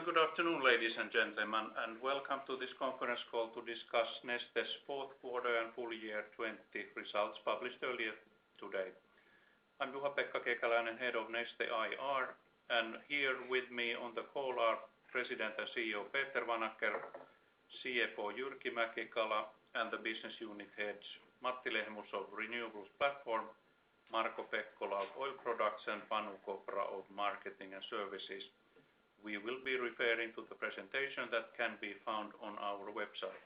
Good afternoon, ladies and gentlemen, and welcome to this conference call to discuss Neste's fourth quarter and full year 2020 results published earlier today. I'm Juha-Pekka Kekäläinen, Head of Neste IR, and here with me on the call are President and CEO, Peter Vanacker, CFO, Jyrki Mäki-Kala, and the business unit heads, Matti Lehmus of Renewables Platform, Marko Pekkola of Oil Products, and Panu Kopra of Marketing & Services. We will be referring to the presentation that can be found on our website.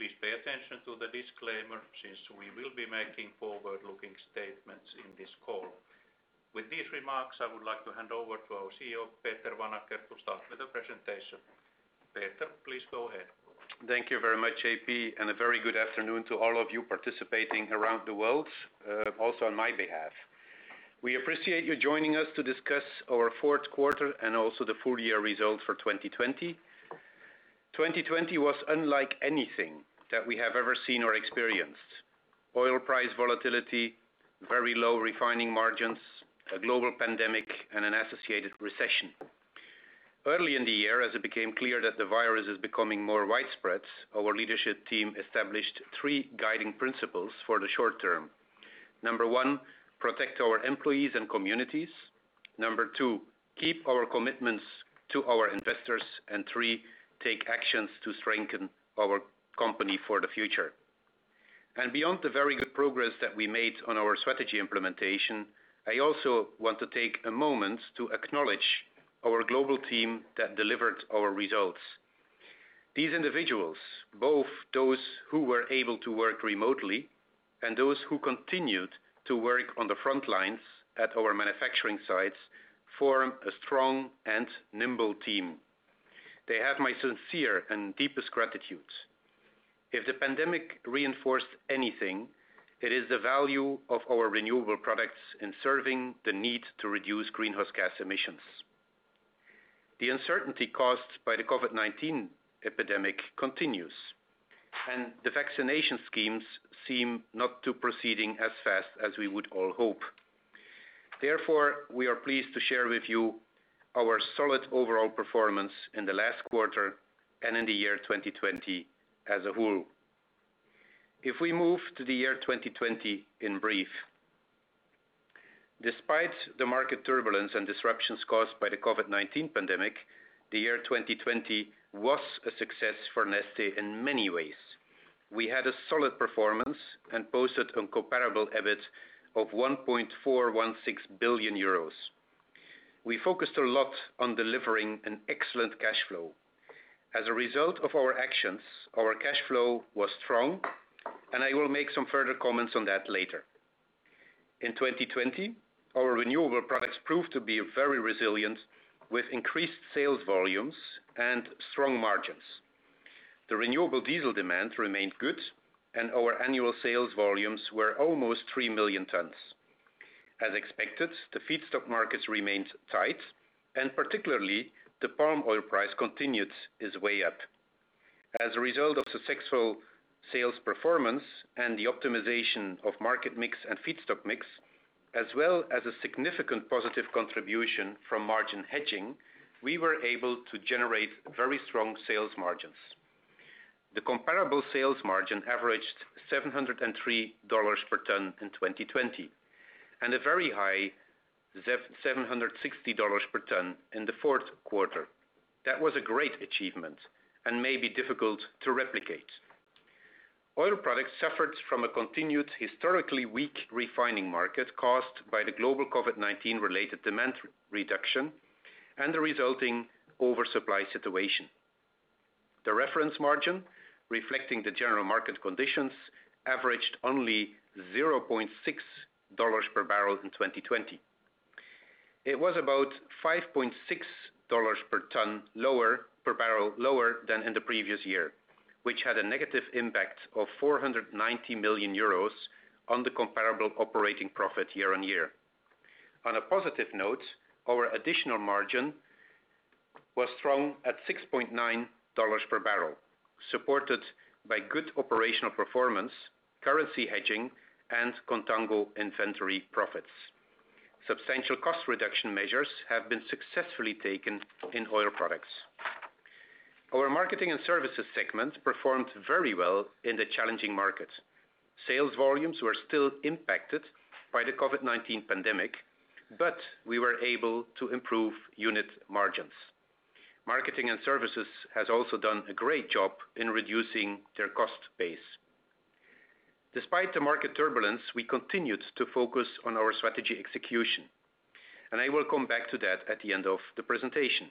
Please pay attention to the disclaimer, since we will be making forward-looking statements in this call. With these remarks, I would like to hand over to our CEO, Peter Vanacker, to start with the presentation. Peter, please go ahead. Thank you very much, J.P. A very good afternoon to all of you participating around the world, also on my behalf. We appreciate you joining us to discuss our fourth quarter and also the full year results for 2020. 2020 was unlike anything that we have ever seen or experienced. Oil price volatility, very low refining margins, a global pandemic, an associated recession. Early in the year, as it became clear that the virus is becoming more widespread, our leadership team established three guiding principles for the short term. Number one, protect our employees and communities. Number two, keep our commitments to our investors. Three, take actions to strengthen our company for the future. Beyond the very good progress that we made on our strategy implementation, I also want to take a moment to acknowledge our global team that delivered our results. These individuals, both those who were able to work remotely and those who continued to work on the front lines at our manufacturing sites, form a strong and nimble team. They have my sincere and deepest gratitude. If the pandemic reinforced anything, it is the value of our renewable products in serving the need to reduce greenhouse gas emissions. The uncertainty caused by the COVID-19 pandemic continues, and the vaccination schemes seem not to proceeding as fast as we would all hope. Therefore, we are pleased to share with you our solid overall performance in the last quarter and in the year 2020 as a whole. If we move to the year 2020, in brief. Despite the market turbulence and disruptions caused by the COVID-19 pandemic, the year 2020 was a success for Neste in many ways. We had a solid performance and posted a comparable EBIT of 1.416 billion euros. We focused a lot on delivering an excellent cash flow. As a result of our actions, our cash flow was strong, and I will make some further comments on that later. In 2020, our renewable products proved to be very resilient, with increased sales volumes and strong margins. The renewable diesel demand remained good, and our annual sales volumes were almost three million tons. As expected, the feedstock markets remained tight, and particularly, the palm oil price continued its way up. As a result of successful sales performance and the optimization of market mix and feedstock mix, as well as a significant positive contribution from margin hedging, we were able to generate very strong sales margins. The comparable sales margin averaged $703 per ton in 2020, and a very high $760 per ton in the fourth quarter. That was a great achievement and may be difficult to replicate. Oil Products suffered from a continued historically weak refining market caused by the global COVID-19 related demand reduction and the resulting oversupply situation. The reference margin, reflecting the general market conditions, averaged only $0.6 per barrel in 2020. It was about $5.6 per barrel lower than in the previous year, which had a -490 million euros on the comparable operating profit year-on-year. On a positive note, our additional margin was strong at $6.90 per barrel, supported by good operational performance, currency hedging, and contango inventory profits. Substantial cost reduction measures have been successfully taken in Oil Products. Our Marketing & Services segment performed very well in the challenging market. Sales volumes were still impacted by the COVID-19 pandemic, but we were able to improve unit margins. Marketing & Services has also done a great job in reducing their cost base. Despite the market turbulence, we continued to focus on our strategy execution. I will come back to that at the end of the presentation.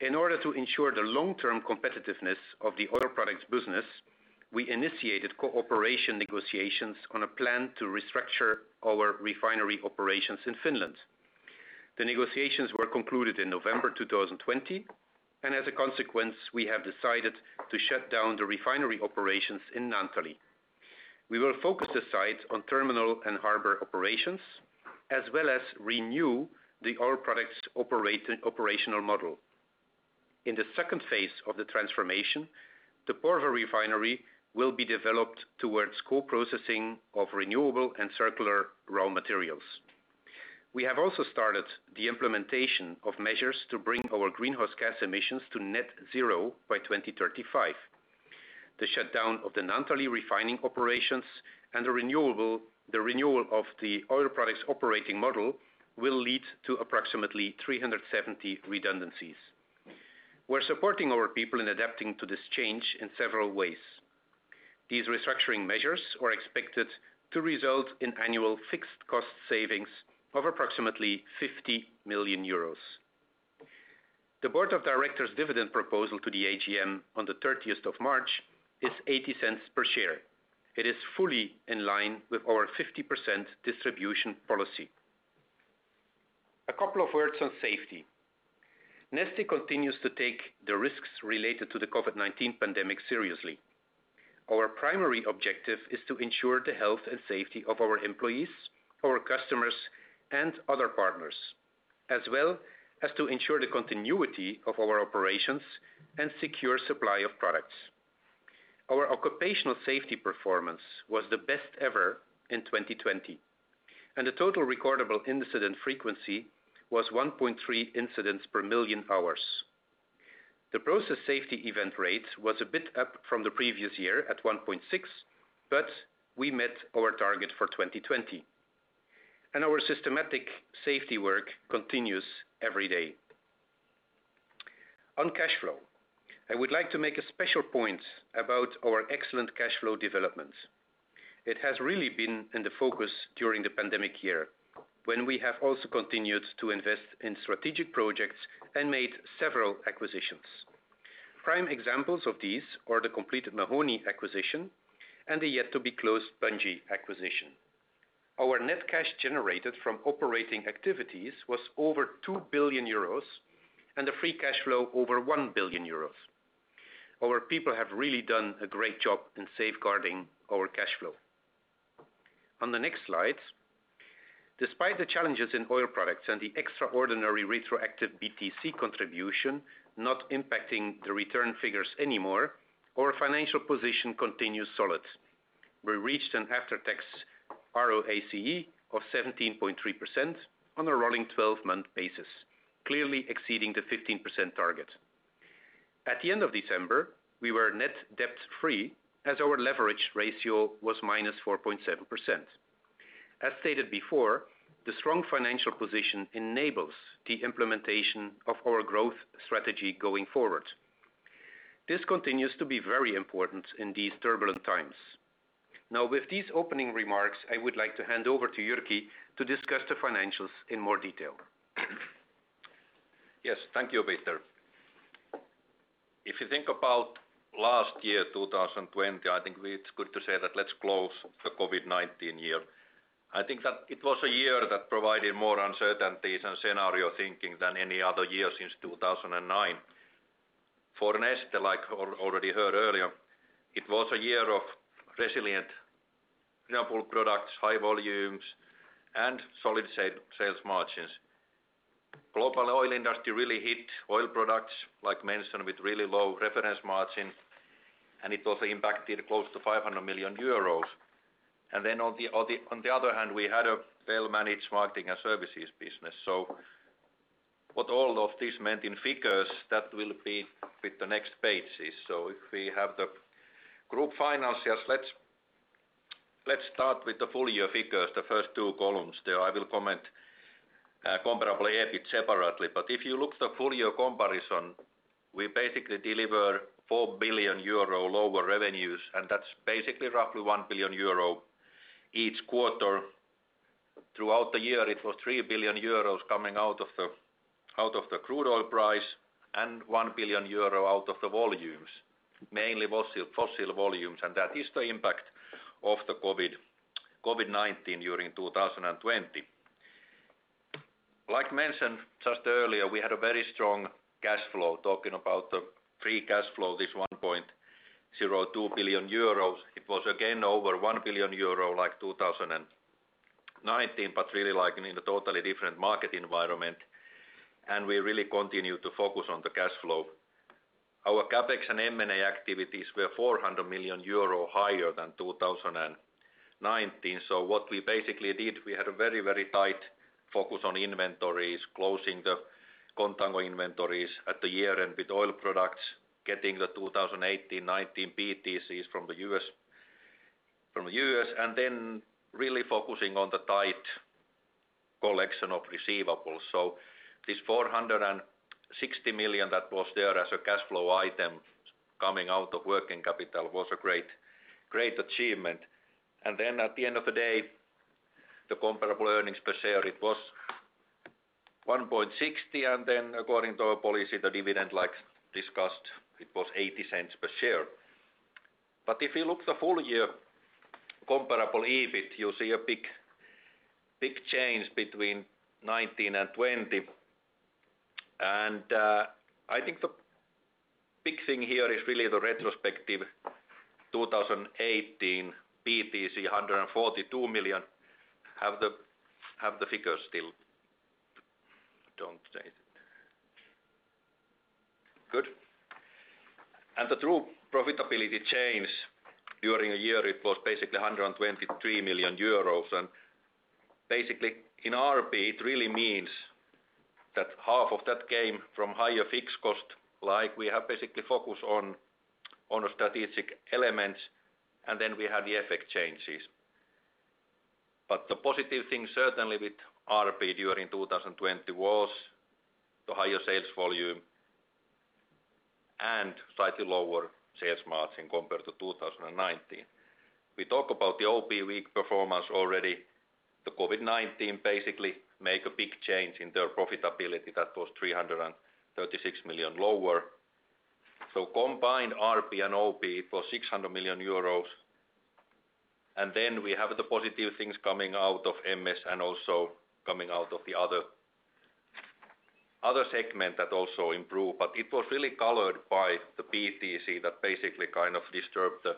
In order to ensure the long-term competitiveness of the Oil Products business, we initiated cooperation negotiations on a plan to restructure our refinery operations in Finland. The negotiations were concluded in November 2020. As a consequence, we have decided to shut down the refinery operations in Naantali. We will focus the site on terminal and harbor operations, as well as renew the Oil Products operational model. In the second phase of the transformation, the Porvoo refinery will be developed towards co-processing of renewable and circular raw materials. We have also started the implementation of measures to bring our greenhouse gas emissions to net zero by 2035. The shutdown of the Naantali refining operations and the renewal of the Oil Products operating model will lead to approximately 370 redundancies. We're supporting our people in adapting to this change in several ways. These restructuring measures are expected to result in annual fixed cost savings of approximately 50 million euros. The board of directors' dividend proposal to the AGM on the 30th of March is 0.80 per share. It is fully in line with our 50% distribution policy. A couple of words on safety. Neste continues to take the risks related to the COVID-19 pandemic seriously. Our primary objective is to ensure the health and safety of our employees, our customers, and other partners, as well as to ensure the continuity of our operations and secure supply of products. Our occupational safety performance was the best ever in 2020, and the total recordable incident frequency was 1.3 incidents per million hours. The process safety event rate was a bit up from the previous year at 1.6, but we met our target for 2020. Our systematic safety work continues every day. On cash flow, I would like to make a special point about our excellent cash flow developments. It has really been in the focus during the pandemic year, when we have also continued to invest in strategic projects and made several acquisitions. Prime examples of these are the completed Mahoney acquisition and the yet-to-be-closed Bunge acquisition. Our net cash generated from operating activities was over 2 billion euros and the free cash flow over 1 billion euros. Our people have really done a great job in safeguarding our cash flow. On the next slide, despite the challenges in Oil Products and the extraordinary retroactive BTC contribution not impacting the return figures anymore, our financial position continues solid. We reached an after-tax ROACE of 17.3% on a rolling 12-month basis, clearly exceeding the 15% target. At the end of December, we were net debt-free as our leverage ratio was -4.7%. As stated before, the strong financial position enables the implementation of our growth strategy going forward. This continues to be very important in these turbulent times. Now, with these opening remarks, I would like to hand over to Jyrki to discuss the financials in more detail. Yes. Thank you, Peter. If you think about last year, 2020, I think it's good to say that let's close the COVID-19 year. I think that it was a year that provided more uncertainties and scenario thinking than any other year since 2009. For Neste, like already heard earlier, it was a year of resilient renewable products, high volumes, and solid sales margins. Global oil industry really hit Oil Products, like mentioned, with really low reference margin, and it also impacted close to 500 million euros. On the other hand, we had a well-managed Marketing & Services business. What all of this meant in figures, that will be with the next pages. If we have the group financials, let's start with the full year figures, the first two columns there. I will comment comparable EBIT separately. If you look the full year comparison, we basically deliver 4 billion euro lower revenues, and that's basically roughly 1 billion euro each quarter. Throughout the year, it was 3 billion euros coming out of the crude oil price and 1 billion euro out of the volumes, mainly fossil volumes. That is the impact of the COVID-19 during 2020. Like mentioned just earlier, we had a very strong cash flow, talking about the free cash flow, this 1.02 billion euros. It was again over 1 billion euro like 2019, but really in a totally different market environment. We really continue to focus on the cash flow. Our CapEx and M&A activities were 400 million euro higher than 2019. What we basically did, we had a very, very tight focus on inventories, closing the contango inventories at the year-end with Oil Products, getting the 2018-2019 BTCs from the U.S., then really focusing on the tight collection of receivables. This 460 million that was there as a cash flow item coming out of working capital was a great achievement. At the end of the day, the comparable earnings per share, it was 1.60. According to our policy, the dividend, like discussed, it was 0.80 per share. If you look the full year comparable EBIT, you see a big change between 2019 and 2020. I think the big thing here is really the retrospective 2018 BTC 142 million. Have the figures still. Don't change it. Good. The true profitability change during a year, it was basically 123 million euros. Basically in RP, it really means that half of that came from higher fixed cost, like we have basically focused on strategic elements, and then we have the FX changes. The positive thing certainly with RP during 2020 was the higher sales volume and slightly lower sales margin compared to 2019. We talk about the OP weak performance already. The COVID-19 basically make a big change in their profitability. That was 336 million lower. Combined RP and OP for 600 million euros. Then we have the positive things coming out of MS and also coming out of the other segment that also improved, but it was really colored by the BTC that basically kind of disturbed the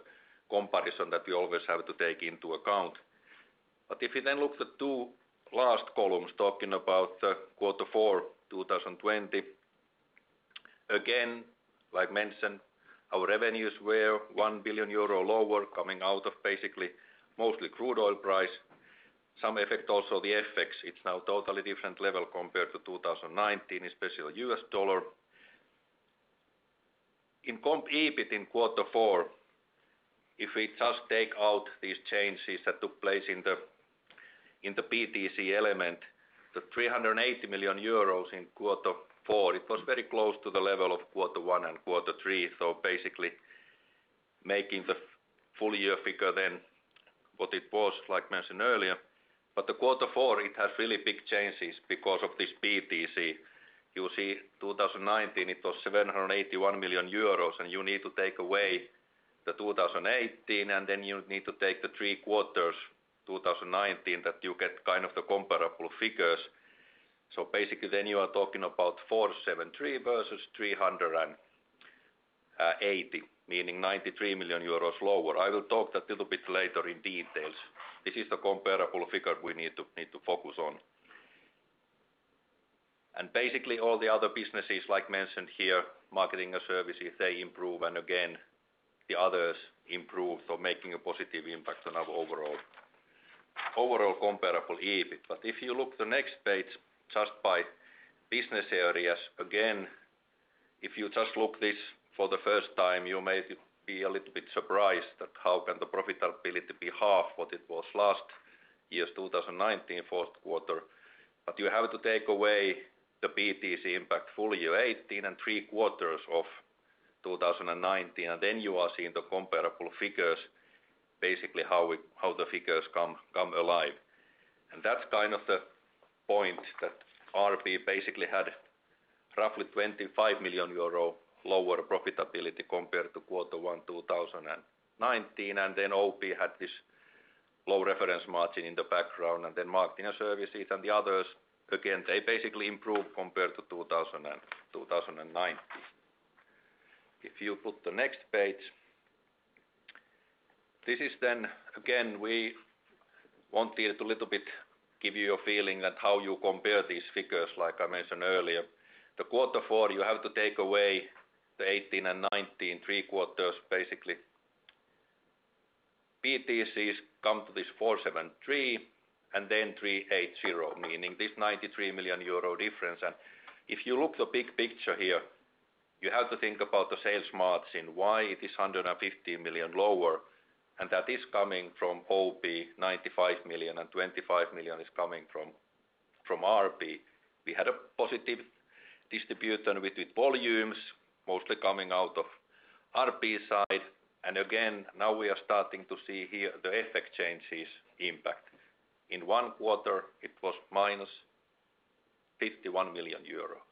comparison that we always have to take into account. If you then look the two last columns talking about Q4 2020, again, like mentioned, our revenues were 1 billion euro lower coming out of basically mostly crude oil price. Some effect also the FX, it's now totally different level compared to 2019, especially U.S. dollar. In comp EBIT in Q4, if we just take out these changes that took place in the BTC element, the 380 million euros in Q4, it was very close to the level of Q1 and Q3. Basically making the full year figure than what it was like mentioned earlier. The Q4, it has really big changes because of this BTC. You see 2019, it was 781 million euros, and you need to take away the 2018, and then you need to take the three quarters 2019 that you get kind of the comparable figures. Basically then you are talking about 473 million versus 380 million, meaning 93 million euros lower. I will talk that little bit later in details. This is the comparable figure we need to focus on. Basically all the other businesses like mentioned here, Marketing & Services, they improve and again the others improve. Making a positive impact on our overall comparable EBIT. If you look the next page just by business areas, again, if you just look this for the first time, you may be a little bit surprised at how can the profitability be half what it was last year 2019, fourth quarter? You have to take away the BTC impact full year 2018 and three quarters of 2019, and then you are seeing the comparable figures, basically how the figures come alive. That's kind of the point that RP basically had roughly 25 million euro lower profitability compared to Q1 2019. Then OP had this low reference margin in the background and then Marketing & Services and the others, again, they basically improved compared to 2019. If you put the next page, this is then, again, we wanted to little bit give you a feeling that how you compare these figures like I mentioned earlier. The Q4, you have to take away the 2018 and 2019 three quarters basically. BTCs come to this 473 million and then 380 million, meaning this 93 million euro difference. If you look the big picture here, you have to think about the sales margin, why it is 150 million lower, and that is coming from OP, 95 million and 25 million is coming from RP. We had a positive distribution with the volumes mostly coming out of RP side. Again, now we are starting to see here the effect changes impact. In one quarter it was -51 million euros.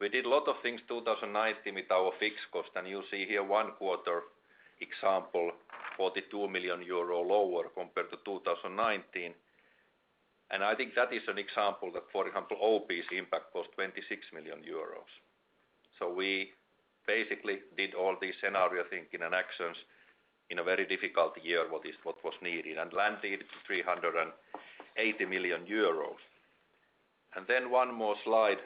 We did a lot of things 2019 with our fixed cost, and you see here one quarter example, 42 million euro lower compared to 2019. I think that is an example that, for example, OP’s impact was 26 million euros. We basically did all these scenario thinking and actions in a very difficult year, what was needed, and landed 380 million euros. Then one more slide,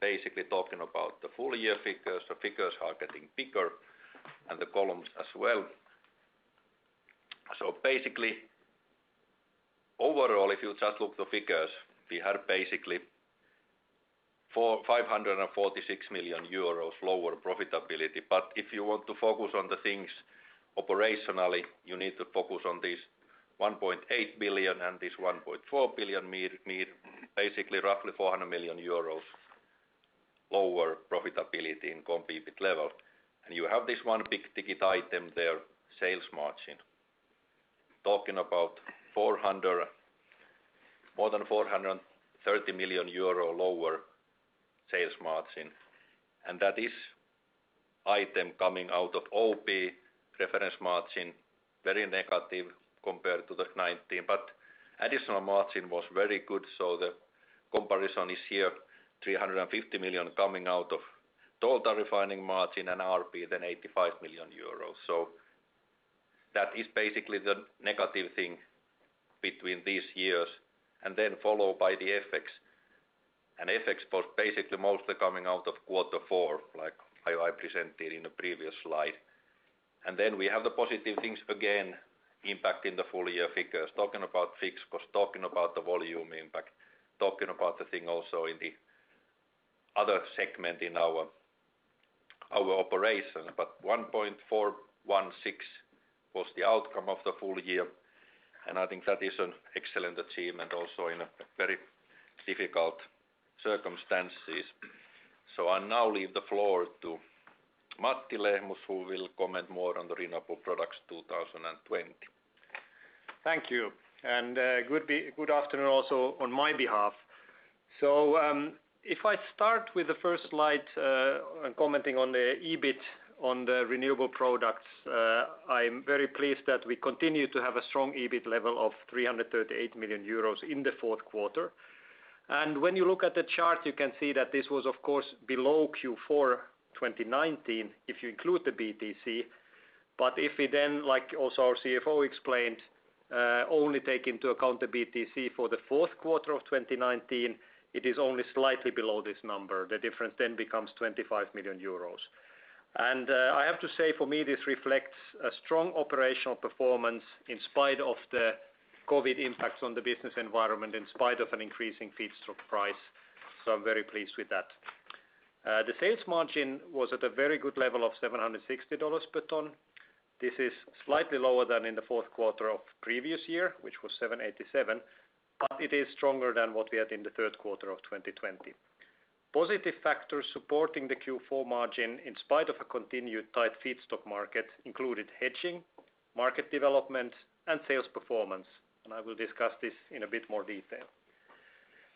basically talking about the full year figures. The figures are getting bigger and the columns as well. Basically overall, if you just look the figures, we had basically 546 million euros lower profitability. If you want to focus on the things operationally, you need to focus on this 1.8 billion and this 1.4 billion, basically roughly 400 million euros lower profitability in comp EBIT level. You have this one big ticket item there, sales margin. Talking about more than 430 million euro lower sales margin. That is item coming out of OP reference margin, very negative compared to the 2019, but additional margin was very good. The comparison this year, 350 million coming out of total refining margin and RP, then 85 million euros. That is basically the negative thing between these years and then followed by the FX. FX was basically mostly coming out of quarter four, like I presented in the previous slide. We have the positive things again, impacting the full year figures, talking about fixed cost, talking about the volume impact, talking about the thing also in the other segment in our operation. 1.416 billion was the outcome of the full year, and I think that is an excellent achievement also in very difficult circumstances. I now leave the floor to Matti Lehmus, who will comment more on the renewable products 2020. Thank you. Good afternoon also on my behalf. If I start with the first slide, commenting on the EBIT on the Renewable Products, I am very pleased that we continue to have a strong EBIT level of 338 million euros in the fourth quarter. When you look at the chart, you can see that this was of course below Q4 2019 if you include the BTC, if we, like also our CFO explained, only take into account the BTC for the fourth quarter of 2019, it is only slightly below this number. The difference becomes 25 million euros. I have to say for me, this reflects a strong operational performance in spite of the COVID-19 impacts on the business environment, in spite of an increasing feedstock price. I am very pleased with that. The sales margin was at a very good level of $760 per ton. This is slightly lower than in the fourth quarter of previous year, which was $787, but it is stronger than what we had in the third quarter of 2020. Positive factors supporting the Q4 margin in spite of a continued tight feedstock market included hedging, market development, and sales performance. I will discuss this in a bit more detail.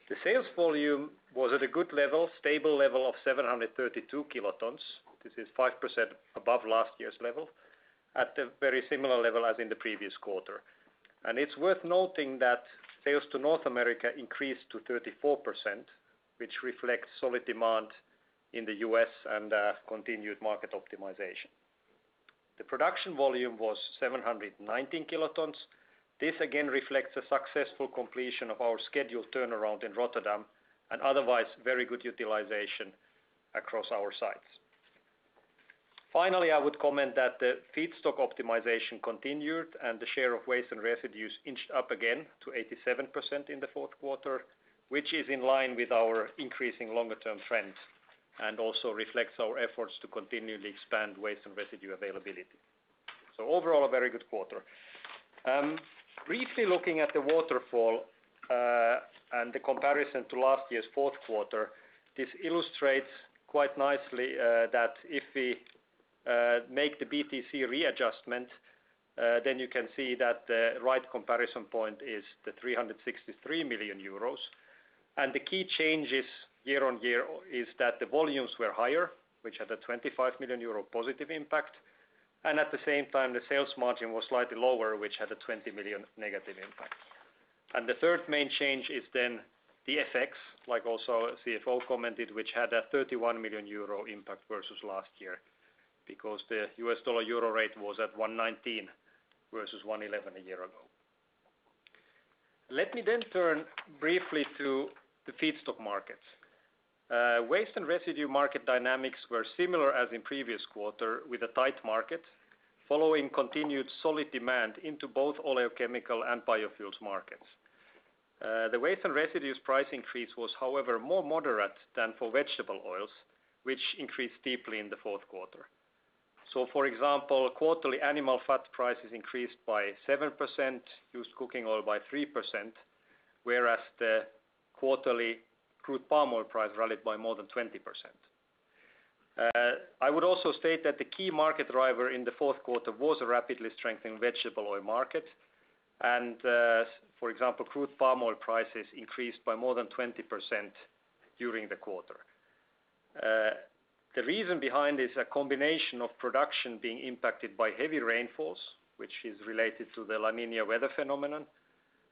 The sales volume was at a good level, stable level of 732 kilotons. This is 5% above last year's level, at a very similar level as in the previous quarter. It's worth noting that sales to North America increased to 34%, which reflects solid demand in the U.S. and continued market optimization. The production volume was 719 kilotons. This again reflects a successful completion of our scheduled turnaround in Rotterdam, and otherwise very good utilization across our sites. I would comment that the feedstock optimization continued and the share of waste and residues inched up again to 87% in the fourth quarter, which is in line with our increasing longer-term trends and also reflects our efforts to continually expand waste and residue availability. Overall, a very good quarter. Briefly looking at the waterfall, and the comparison to last year's fourth quarter, this illustrates quite nicely that if we make the BTC readjustment, then you can see that the right comparison point is the 363 million euros, and the key changes year-over-year is that the volumes were higher, which had a 25 million euro positive impact, and at the same time, the sales margin was slightly lower, which had a -20 million. The third main change is then the FX, like also CFO commented, which had a 31 million euro impact versus last year because the U.S. dollar-euro rate was at $1.19 versus $1.11 a year ago. Let me then turn briefly to the feedstock markets. Waste and residue market dynamics were similar as in previous quarter, with a tight market following continued solid demand into both oleochemical and biofuels markets. The waste and residues price increase was, however, more moderate than for vegetable oils, which increased deeply in the fourth quarter. For example, quarterly animal fat prices increased by 7%, used cooking oil by 3%, whereas the quarterly crude palm oil price rallied by more than 20%. I would also state that the key market driver in the fourth quarter was a rapidly strengthening vegetable oil market, and for example, crude palm oil prices increased by more than 20% during the quarter. The reason behind is a combination of production being impacted by heavy rainfalls, which is related to the La Niña weather phenomenon,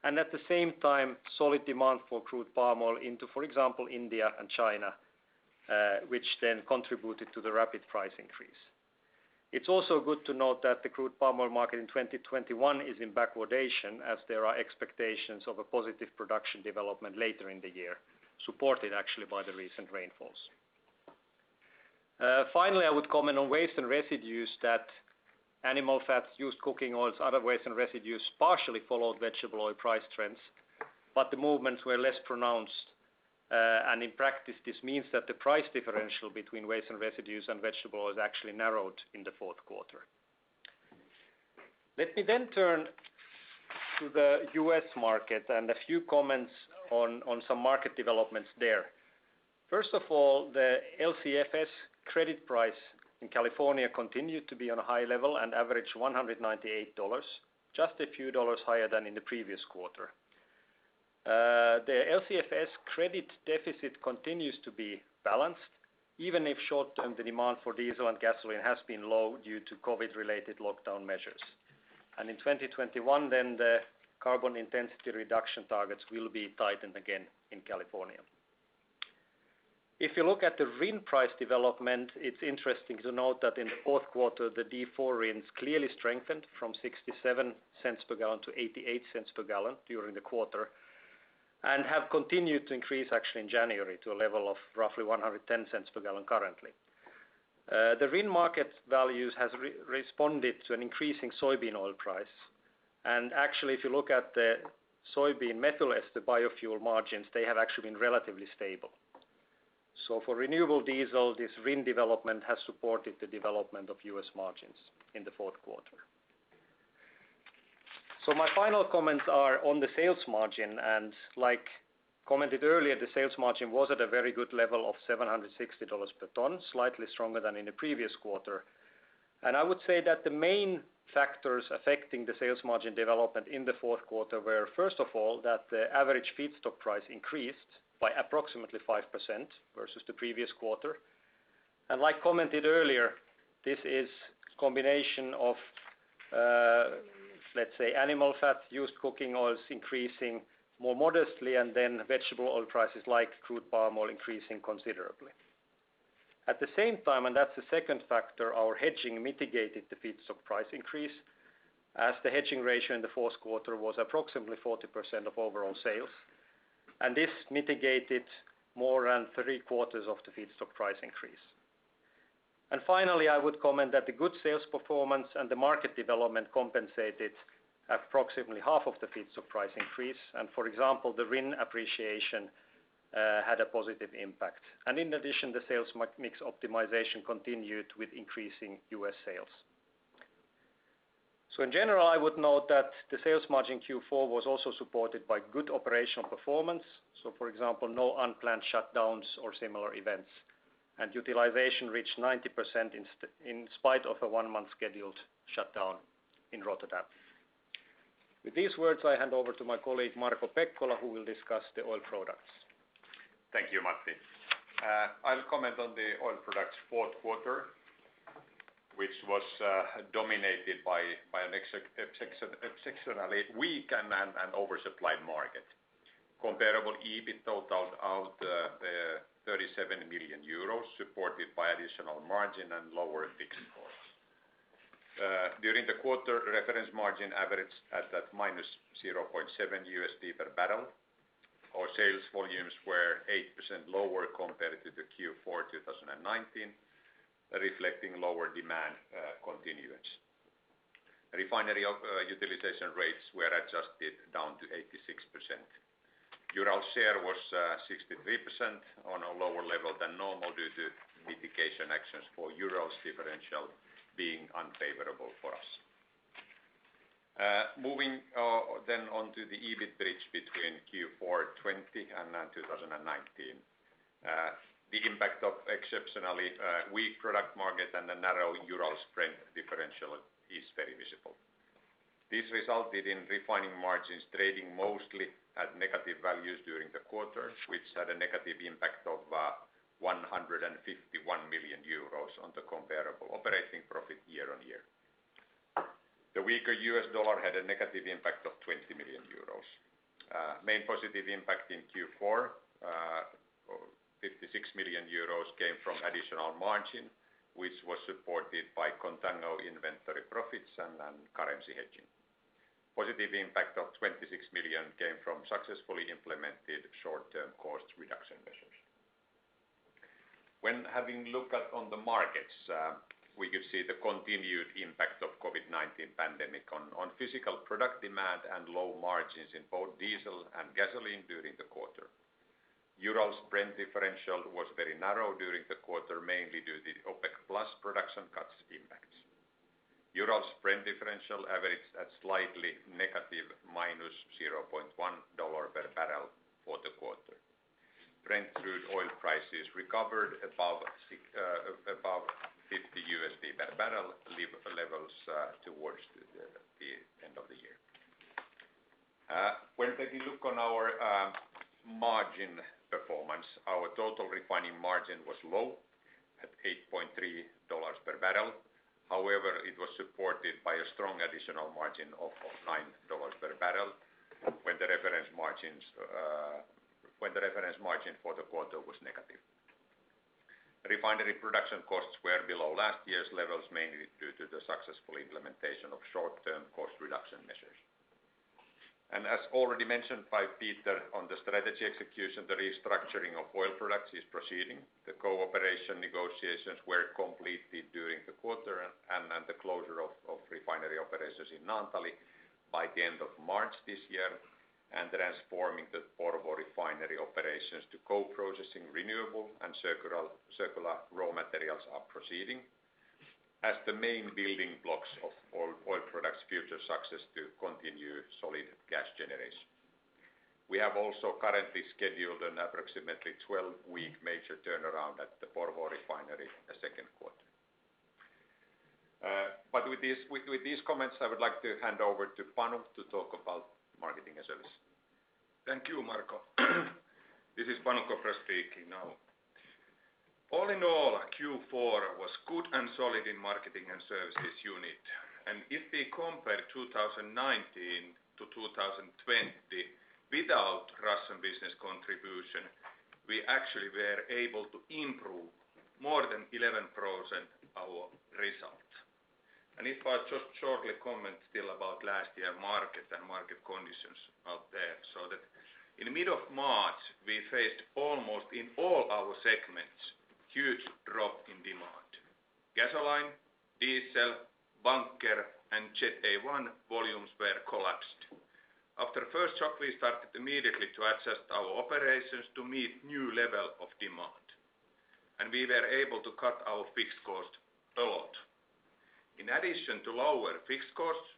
and at the same time, solid demand for crude palm oil into, for example, India and China, which then contributed to the rapid price increase. It is also good to note that the crude palm oil market in 2021 is in backwardation, as there are expectations of a positive production development later in the year, supported actually by the recent rainfalls. Finally, I would comment on waste and residues that animal fats, used cooking oils, other waste and residues partially followed vegetable oil price trends, but the movements were less pronounced. In practice, this means that the price differential between waste and residues and vegetable oils actually narrowed in the fourth quarter. Let me turn to the U.S. market and a few comments on some market developments there. First of all, the LCFS credit price in California continued to be on a high level and averaged $198, just a few dollars higher than in the previous quarter. The LCFS credit deficit continues to be balanced, even if short-term the demand for diesel and gasoline has been low due to COVID-19-related lockdown measures. In 2021, the carbon intensity reduction targets will be tightened again in California. If you look at the RIN price development, it is interesting to note that in the fourth quarter, the D4 RINs clearly strengthened from $0.67 per gallon to $0.88 per gallon during the quarter, and have continued to increase actually in January to a level of roughly $1.10 per gallon currently. The RIN market values has responded to an increasing soybean oil price. Actually, if you look at the soybean methyl ester biofuel margins, they have actually been relatively stable. For renewable diesel, this RIN development has supported the development of U.S. margins in the fourth quarter. My final comments are on the sales margin, and like commented earlier, the sales margin was at a very good level of $760 per ton, slightly stronger than in the previous quarter. I would say that the main factors affecting the sales margin development in the fourth quarter were, first of all, that the average feedstock price increased by approximately 5% versus the previous quarter. Like commented earlier, this is combination of, let's say animal fat, used cooking oils increasing more modestly and then vegetable oil prices like crude palm oil increasing considerably. At the same time, and that's the second factor, our hedging mitigated the feedstock price increase as the hedging ratio in the fourth quarter was approximately 40% of overall sales. This mitigated more than three quarters of the feedstock price increase. Finally, I would comment that the good sales performance and the market development compensated approximately half of the feedstock price increase. For example, the RIN appreciation had a positive impact. In addition, the sales mix optimization continued with increasing U.S. sales. In general, I would note that the sales margin Q4 was also supported by good operational performance. For example, no unplanned shutdowns or similar events. Utilization reached 90% in spite of a one-month scheduled shutdown in Rotterdam. With these words, I hand over to my colleague, Marko Pekkola, who will discuss the Oil Products. Thank you, Matti. I'll comment on the Oil Products fourth quarter, which was dominated by an exceptionally weak and oversupplied market. Comparable EBIT totaled out 37 million euros, supported by additional margin and lower fixed costs. During the quarter, reference margin averaged at -$0.7 per barrel. Our sales volumes were 8% lower compared to the Q4 2019, reflecting lower demand continuance. Refinery utilization rates were adjusted down to 86%. Urals share was 63% on a lower level than normal due to mitigation actions for Urals differential being unfavorable for us. Moving on to the EBIT bridge between Q4 2020 and 2019. The impact of exceptionally weak product market and the narrow Urals Brent differential is very visible. This resulted in refining margins trading mostly at negative values during the quarter, which had a -151 million euros on the comparable operating profit year-on-year. The weaker U.S. dollar had a -20 million euros. Main positive impact in Q4, 56 million euros came from additional margin, which was supported by contango inventory profits and currency hedging. Positive impact of 26 million came from successfully implemented short-term cost reduction measures. When having looked at on the markets, we could see the continued impact of COVID-19 pandemic on physical product demand and low margins in both diesel and gasoline during the quarter. Urals Brent differential was very narrow during the quarter, mainly due to OPEC+ production cuts impacts. Urals Brent differential averaged at slightly negative, -$0.1 per barrel for the quarter. Brent crude oil prices recovered above $50 per barrel levels towards the end of the year. When taking a look on our margin performance, our total refining margin was low at $8.30 per barrel. However, it was supported by a strong additional margin of $9 per barrel when the reference margin for the quarter was negative. Refinery production costs were below last year's levels, mainly due to the successful implementation of short-term cost reduction measures. As already mentioned by Peter on the strategy execution, the restructuring of Oil Products is proceeding. The cooperation negotiations were completed during the quarter, and the closure of refinery operations in Naantali by the end of March this year, and transforming the Porvoo refinery operations to co-processing renewable and circular raw materials are proceeding as the main building blocks of Oil Products future success to continue solid cash generation. We have also currently scheduled an approximately 12-week major turnaround at the Porvoo refinery the second quarter. With these comments, I would like to hand over to Panu to talk about marketing and sales. Thank you, Marko. This is Panu Kopra speaking now. Q4 was good and solid in Marketing & Services. If we compare 2019-2020 without Russian business contribution, we actually were able to improve more than 11% our result. If I just shortly comment still about last year market and market conditions out there, in the middle of March, we faced almost in all our segments, huge drop in demand. Gasoline, diesel, bunker, and Jet A-1 volumes were collapsed. After first shock, we started immediately to adjust our operations to meet new level of demand, we were able to cut our fixed cost a lot. In addition to lower fixed costs,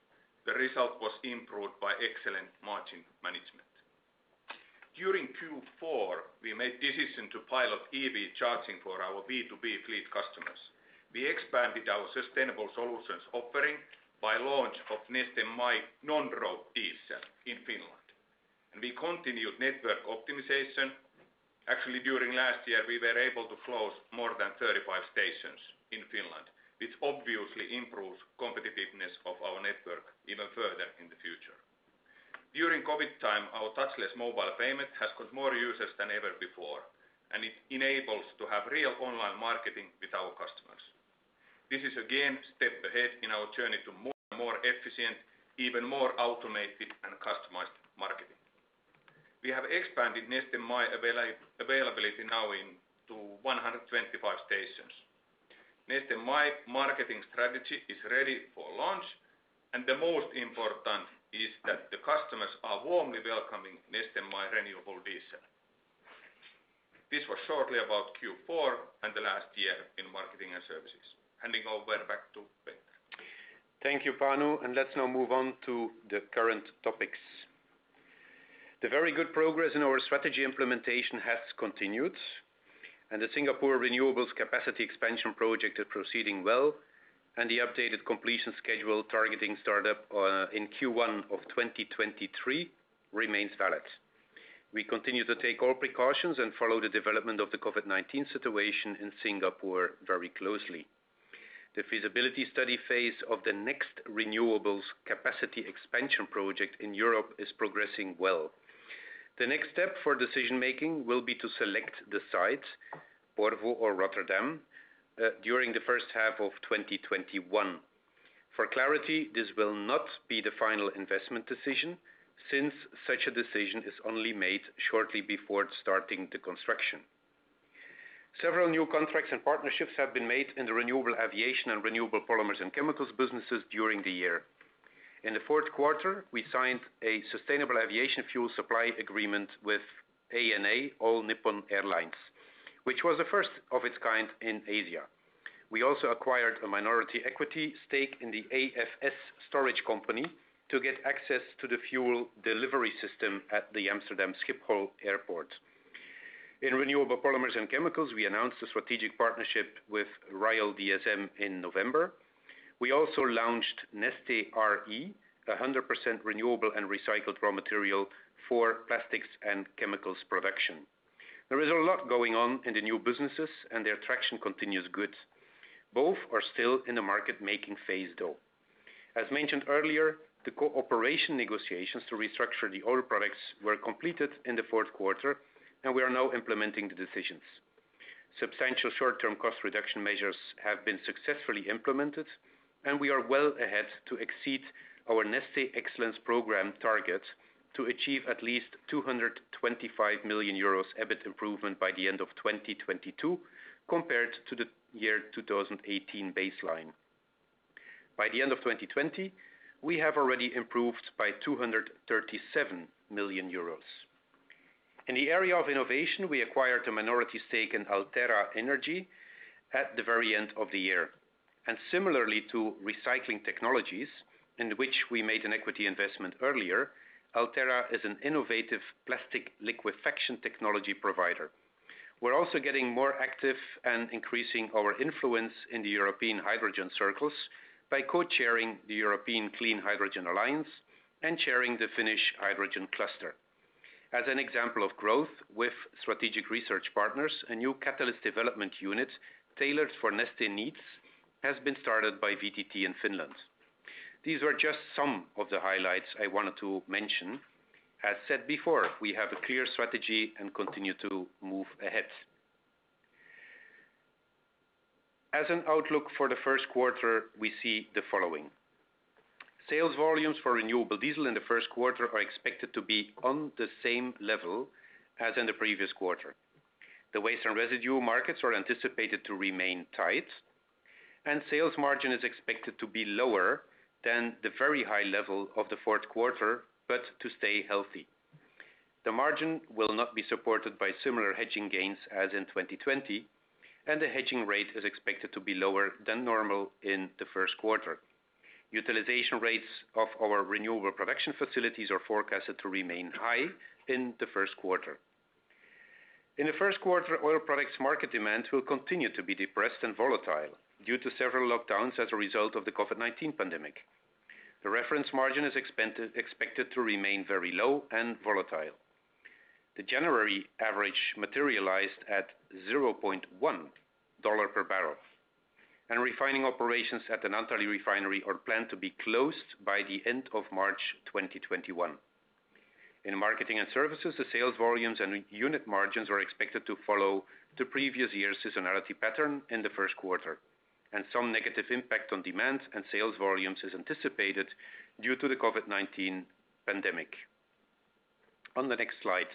the result was improved by excellent margin management. During Q4, we made decision to pilot EV charging for our B2B fleet customers. We expanded our sustainable solutions offering by launch of Neste MY Non-Road Diesel in Finland. We continued network optimization. Actually, during last year, we were able to close more than 35 stations in Finland, which obviously improves competitiveness of our network even further in the future. During COVID time, our touchless mobile payment has got more users than ever before. It enables to have real online marketing with our customers. This is again, step ahead in our journey to more efficient, even more automated and customized marketing. We have expanded Neste MY availability now into 125 stations. Neste MY marketing strategy is ready for launch. The most important is that the customers are warmly welcoming Neste MY renewable diesel. This was shortly about Q4 and the last year in Marketing & Services. Handing over back to Peter. Thank you, Panu. Let's now move on to the current topics. The very good progress in our strategy implementation has continued. The Singapore renewables capacity expansion project is proceeding well. The updated completion schedule targeting startup in Q1 2023 remains valid. We continue to take all precautions and follow the development of the COVID-19 situation in Singapore very closely. The feasibility study phase of the next renewables capacity expansion project in Europe is progressing well. The next step for decision-making will be to select the site, Porvoo or Rotterdam, during the first half of 2021. For clarity, this will not be the final investment decision, since such a decision is only made shortly before starting the construction. Several new contracts and partnerships have been made in the renewable aviation and renewable polymers and chemicals businesses during the year. In the fourth quarter, we signed a sustainable aviation fuel supply agreement with ANA, All Nippon Airways, which was the first of its kind in Asia. We also acquired a minority equity stake in the AFS storage company to get access to the fuel delivery system at the Amsterdam Airport Schiphol. In renewable polymers and chemicals, we announced a strategic partnership with Royal DSM in November. We also launched Neste RE, 100% renewable and recycled raw material for plastics and chemicals production. There is a lot going on in the new businesses, and their traction continues good. Both are still in the market-making phase, though. As mentioned earlier, the cooperation negotiations to restructure the Oil Products were completed in the fourth quarter, and we are now implementing the decisions. Substantial short-term cost reduction measures have been successfully implemented. We are well ahead to exceed our Neste Excellence program target to achieve at least 225 million euros EBIT improvement by the end of 2022 compared to the year 2018 baseline. By the end of 2020, we have already improved by 237 million euros. In the area of innovation, we acquired a minority stake in Alterra Energy at the very end of the year. Similarly to Recycling Technologies, in which we made an equity investment earlier, Alterra is an innovative plastic liquefaction technology provider. We're also getting more active and increasing our influence in the European hydrogen circles by co-chairing the European Clean Hydrogen Alliance and chairing the Finnish Hydrogen Cluster. As an example of growth with strategic research partners, a new catalyst development unit tailored for Neste needs has been started by VTT in Finland. These are just some of the highlights I wanted to mention. As said before, we have a clear strategy and continue to move ahead. As an outlook for the first quarter, we see the following. Sales volumes for renewable diesel in the first quarter are expected to be on the same level as in the previous quarter. The waste and residue markets are anticipated to remain tight, and sales margin is expected to be lower than the very high level of the fourth quarter but to stay healthy. The margin will not be supported by similar hedging gains as in 2020, and the hedging rate is expected to be lower than normal in the first quarter. Utilization rates of our renewable production facilities are forecasted to remain high in the first quarter. In the first quarter, Oil Products market demand will continue to be depressed and volatile due to several lockdowns as a result of the COVID-19 pandemic. The reference margin is expected to remain very low and volatile. The January average materialized at $0.1 per barrel. Refining operations at the Naantali refinery are planned to be closed by the end of March 2021. In Marketing & Services, the sales volumes and unit margins are expected to follow the previous year's seasonality pattern in the first quarter. Some negative impact on demand and sales volumes is anticipated due to the COVID-19 pandemic. On the next slide.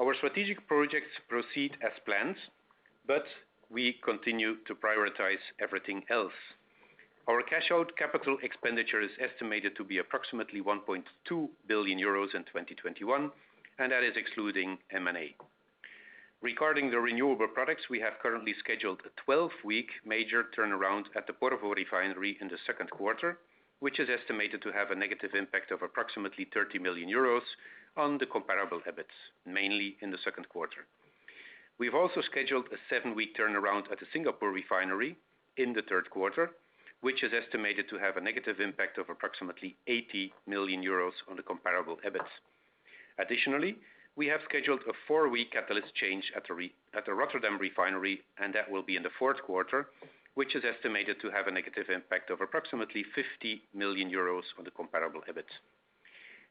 Our strategic projects proceed as planned. We continue to prioritize everything else. Our cash out CapEx is estimated to be approximately 1.2 billion euros in 2021. That is excluding M&A. Regarding the renewable products, we have currently scheduled a 12-week major turnaround at the Porvoo refinery in the second quarter, which is estimated to have a negative impact of approximately -30 million euros on the comparable EBIT, mainly in the second quarter. We've also scheduled a seven week turnaround at the Singapore refinery in the third quarter, which is estimated to have a negative impact of approximately -80 million euros on the comparable EBIT. Additionally, we have scheduled a four week catalyst change at the Rotterdam refinery, and that will be in the fourth quarter, which is estimated to have a negative impact of approximately 50 million euros on the comparable EBIT.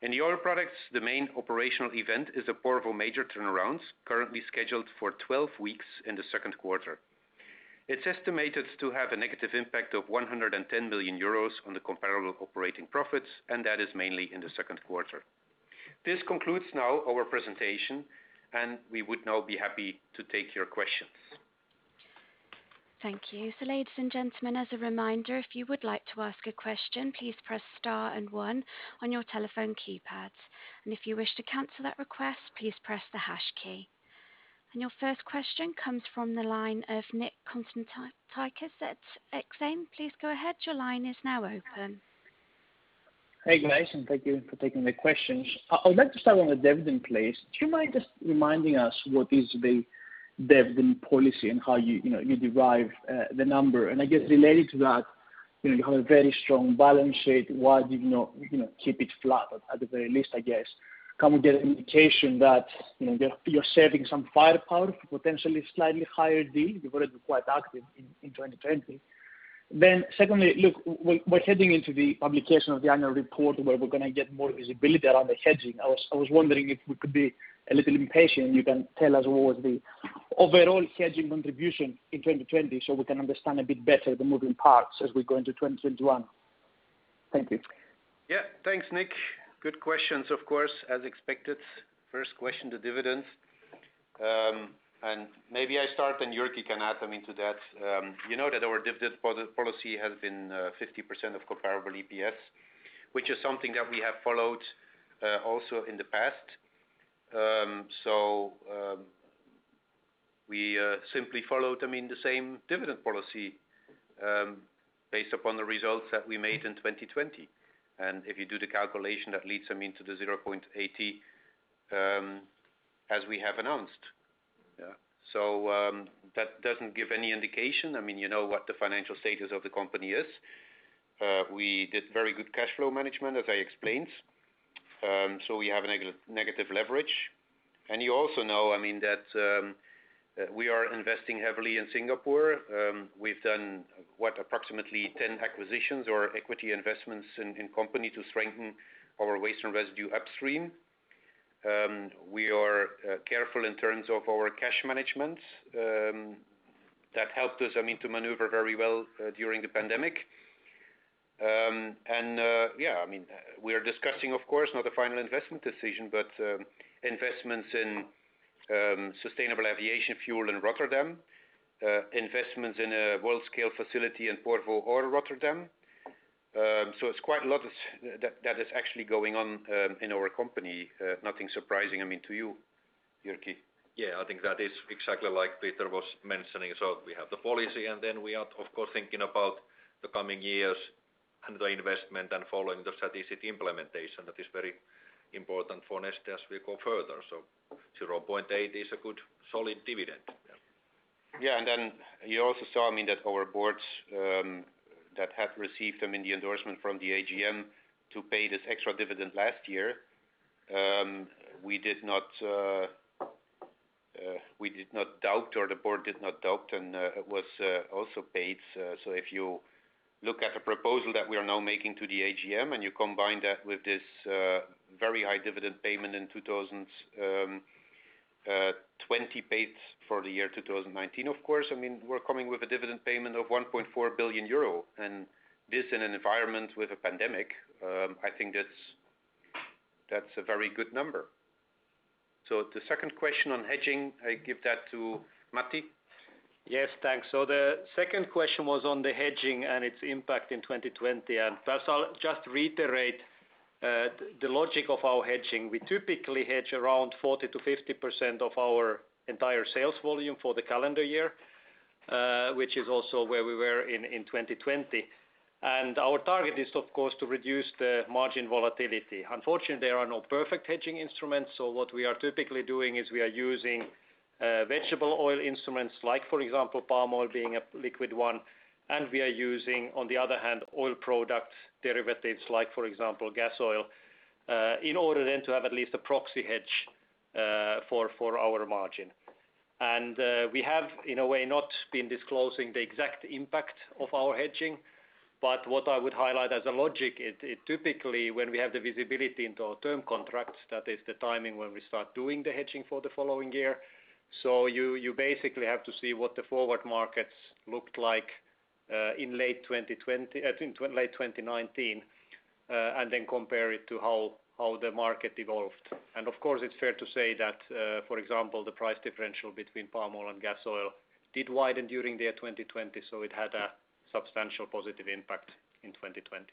In the Oil Products, the main operational event is the Porvoo major turnarounds, currently scheduled for 12 weeks in the second quarter. It's estimated to have a negative impact of -110 million euros on the comparable Operating Profits. That is mainly in the second quarter. This concludes now our presentation. We would now be happy to take your questions. Thank you. So ladies and gentlemen, as a reminder, if you would like to ask a question, please press star and one on your telephone keypad, and if you wish to cancel that request, please press the hash key. Your first question comes from the line of Nick Konstantakis at Exane. Please go ahead. Your line is now open. Hey, guys, thank you for taking the questions. I would like to start on the dividend, please. Do you mind just reminding us what is the dividend policy and how you derive the number? I guess related to that, you have a very strong balance sheet. Why do you not keep it flat at the very least, I guess? Can we get an indication that you're saving some firepower for potentially a slightly higher deal? You've already been quite active in 2020. Secondly, look, we're heading into the publication of the annual report where we're going to get more visibility around the hedging. I was wondering if we could be a little impatient and you can tell us what was the overall hedging contribution in 2020 so we can understand a bit better the moving parts as we go into 2021. Thank you. Yeah. Thanks, Nick. Good questions, of course, as expected. First question, the dividends. Maybe I start and Jyrki can add something to that. You know that our dividend policy has been 50% of comparable EPS, which is something that we have followed, also in the past. We simply followed the same dividend policy based upon the results that we made in 2020. If you do the calculation, that leads them into the 0.80, as we have announced. Yeah. That doesn't give any indication. You know what the financial status of the company is. We did very good cash flow management, as I explained. We have a negative leverage. You also know that we are investing heavily in Singapore. We've done approximately 10 acquisitions or equity investments in company to strengthen our waste and residue upstream. We are careful in terms of our cash management. That helped us to maneuver very well during the pandemic. Yeah, we are discussing, of course, not a final investment decision, but investments in sustainable aviation fuel in Rotterdam, investments in a world-scale facility in Porvoo or Rotterdam. It's quite a lot that is actually going on in our company. Nothing surprising to you, Jyrki. Yeah, I think that is exactly like Peter was mentioning. We have the policy and then we are, of course, thinking about the coming years and the investment and following the strategic implementation that is very important for Neste as we go further. 0.8 is a good, solid dividend. Yeah. You also saw that our boards that have received the endorsement from the AGM to pay this extra dividend last year, the board did not doubt and it was also paid. If you look at the proposal that we are now making to the AGM and you combine that with this very high dividend payment in 2020 paid for the year 2019, of course, we're coming with a dividend payment of 1.4 billion euro. This in an environment with a pandemic, I think that's a very good number. The second question on hedging, I give that to Matti. Yes, thanks. The second question was on the hedging and its impact in 2020. First I'll just reiterate the logic of our hedging. We typically hedge around 40%-50% of our entire sales volume for the calendar year, which is also where we were in 2020. Our target is, of course, to reduce the margin volatility. Unfortunately, there are no perfect hedging instruments, so what we are typically doing is we are using vegetable oil instruments like, for example, palm oil being a liquid one, and we are using, on the other hand, oil product derivatives like, for example, gas oil, in order then to have at least a proxy hedge for our margin. We have, in a way, not been disclosing the exact impact of our hedging. What I would highlight as a logic, typically when we have the visibility into our term contracts, that is the timing when we start doing the hedging for the following year. You basically have to see what the forward markets looked like in late 2019, and then compare it to how the market evolved. Of course, it's fair to say that, for example, the price differential between palm oil and gas oil did widen during the year 2020, so it had a substantial positive impact in 2020.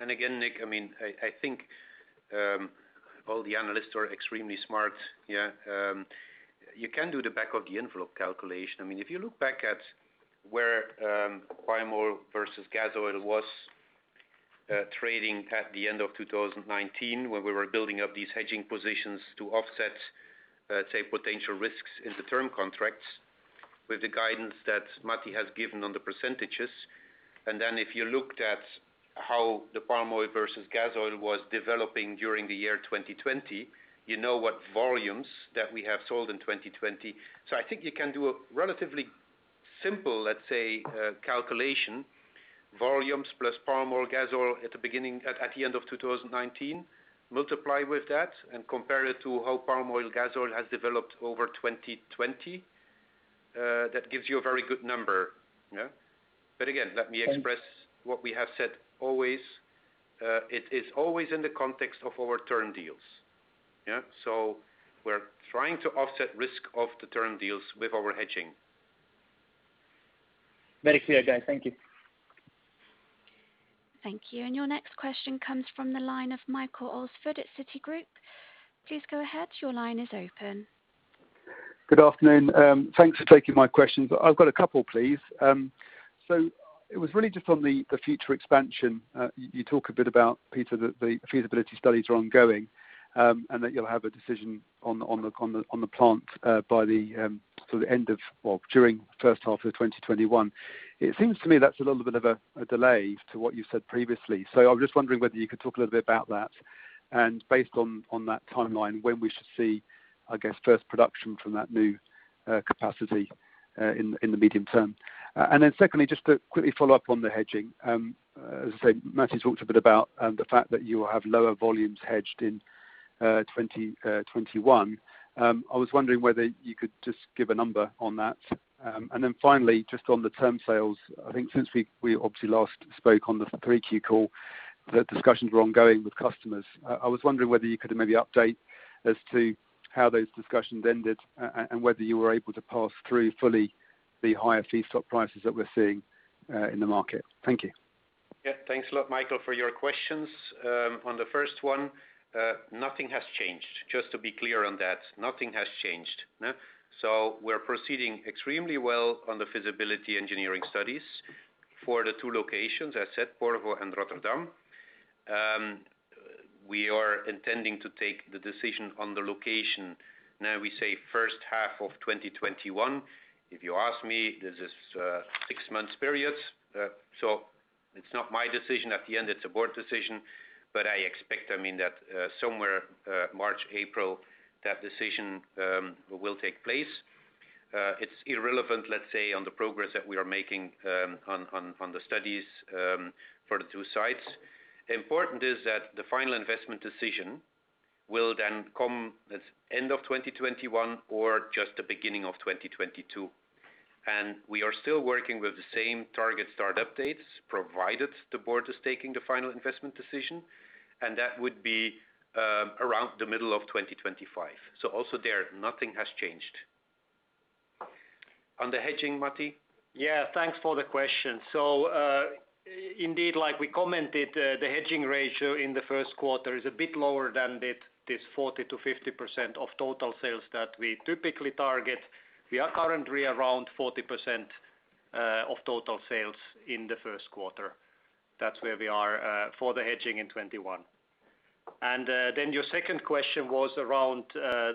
Again, Nick, I think all the analysts are extremely smart. You can do the back of the envelope calculation. If you look back at where Palm Oil versus Gas Oil was trading at the end of 2019, when we were building up these hedging positions to offset, say, potential risks in the term contracts with the guidance that Matti has given on the percentages. Then if you looked at how the Palm Oil versus Gas Oil was developing during the year 2020, you know what volumes that we have sold in 2020. I think you can do a relatively simple, let's say, calculation, volumes plus Palm Oil Gas Oil at the end of 2019, multiply with that and compare it to how Palm Oil Gas Oil has developed over 2020. That gives you a very good number. Again, let me express what we have said always. It is always in the context of our term deals. We're trying to offset risk of the term deals with our hedging. Very clear, guys. Thank you. Thank you. Your next question comes from the line of Michael Alsford at Citigroup. Please go ahead. Good afternoon. Thanks for taking my questions. I've got a couple, please. It was really just on the future expansion. You talk a bit about, Peter, that the feasibility studies are ongoing, and that you'll have a decision on the plant by the end of or during the first half of 2021. It seems to me that's a little bit of a delay to what you said previously. I was just wondering whether you could talk a little bit about that, and based on that timeline, when we should see, I guess, first production from that new capacity in the medium term. Secondly, just to quickly follow up on the hedging. As I say, Matti talked a bit about the fact that you will have lower volumes hedged in 2021. I was wondering whether you could just give a number on that. Finally, just on the term sales, I think since we obviously last spoke on the 3Q call, the discussions were ongoing with customers. I was wondering whether you could maybe update as to how those discussions ended and whether you were able to pass through fully the higher feedstock prices that we're seeing in the market. Thank you. Yeah, thanks a lot, Michael, for your questions. On the first one, nothing has changed. Just to be clear on that. Nothing has changed. We're proceeding extremely well on the feasibility engineering studies for the two locations, as said, Port of Rotterdam. We are intending to take the decision on the location, now we say first half of 2021. If you ask me, this is a six-month period. It's not my decision. At the end, it's a board decision. I expect that somewhere March, April, that decision will take place. It's irrelevant, let's say, on the progress that we are making on the studies for the two sites. Important is that the final investment decision will then come at the end of 2021 or just the beginning of 2022. We are still working with the same target start updates, provided the board is taking the final investment decision, and that would be around the middle of 2025. Also there, nothing has changed. On the hedging, Matti? Yeah, thanks for the question. Indeed, like we commented, the hedging ratio in the first quarter is a bit lower than this 40%-50% of total sales that we typically target. We are currently around 40% of total sales in the first quarter. That's where we are for the hedging in 2021. Your second question was around how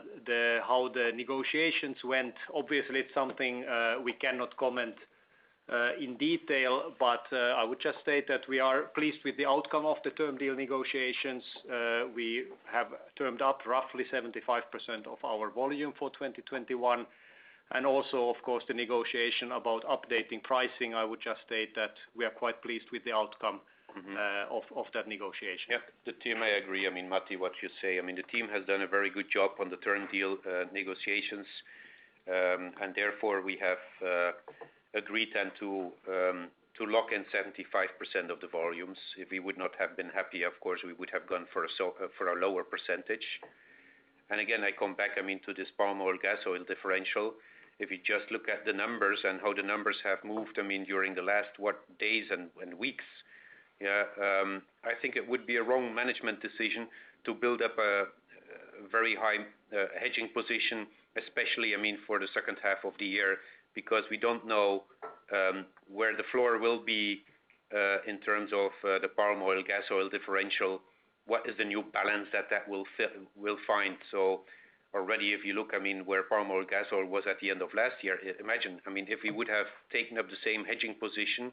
the negotiations went. Obviously, it's something we cannot comment in detail, but I would just state that we are pleased with the outcome of the term deal negotiations. We have termed up roughly 75% of our volume for 2021. Also, of course, the negotiation about updating pricing, I would just state that we are quite pleased with the outcome of that negotiation. The team, I agree. Matti, what you say. The team has done a very good job on the term deal negotiations, therefore we have agreed then to lock in 75% of the volumes. If we would not have been happy, of course, we would have gone for a lower percentage. Again, I come back, I mean to this Palm Oil-Gas Oil differential. If you just look at the numbers and how the numbers have moved during the last what days and weeks, I think it would be a wrong management decision to build up a very high hedging position, especially for the second half of the year, because we don't know where the floor will be in terms of the Palm Oil-Gas Oil differential. What is the new balance that will find? Already if you look where Palm Oil-Gas Oil was at the end of last year, imagine if we would have taken up the same hedging position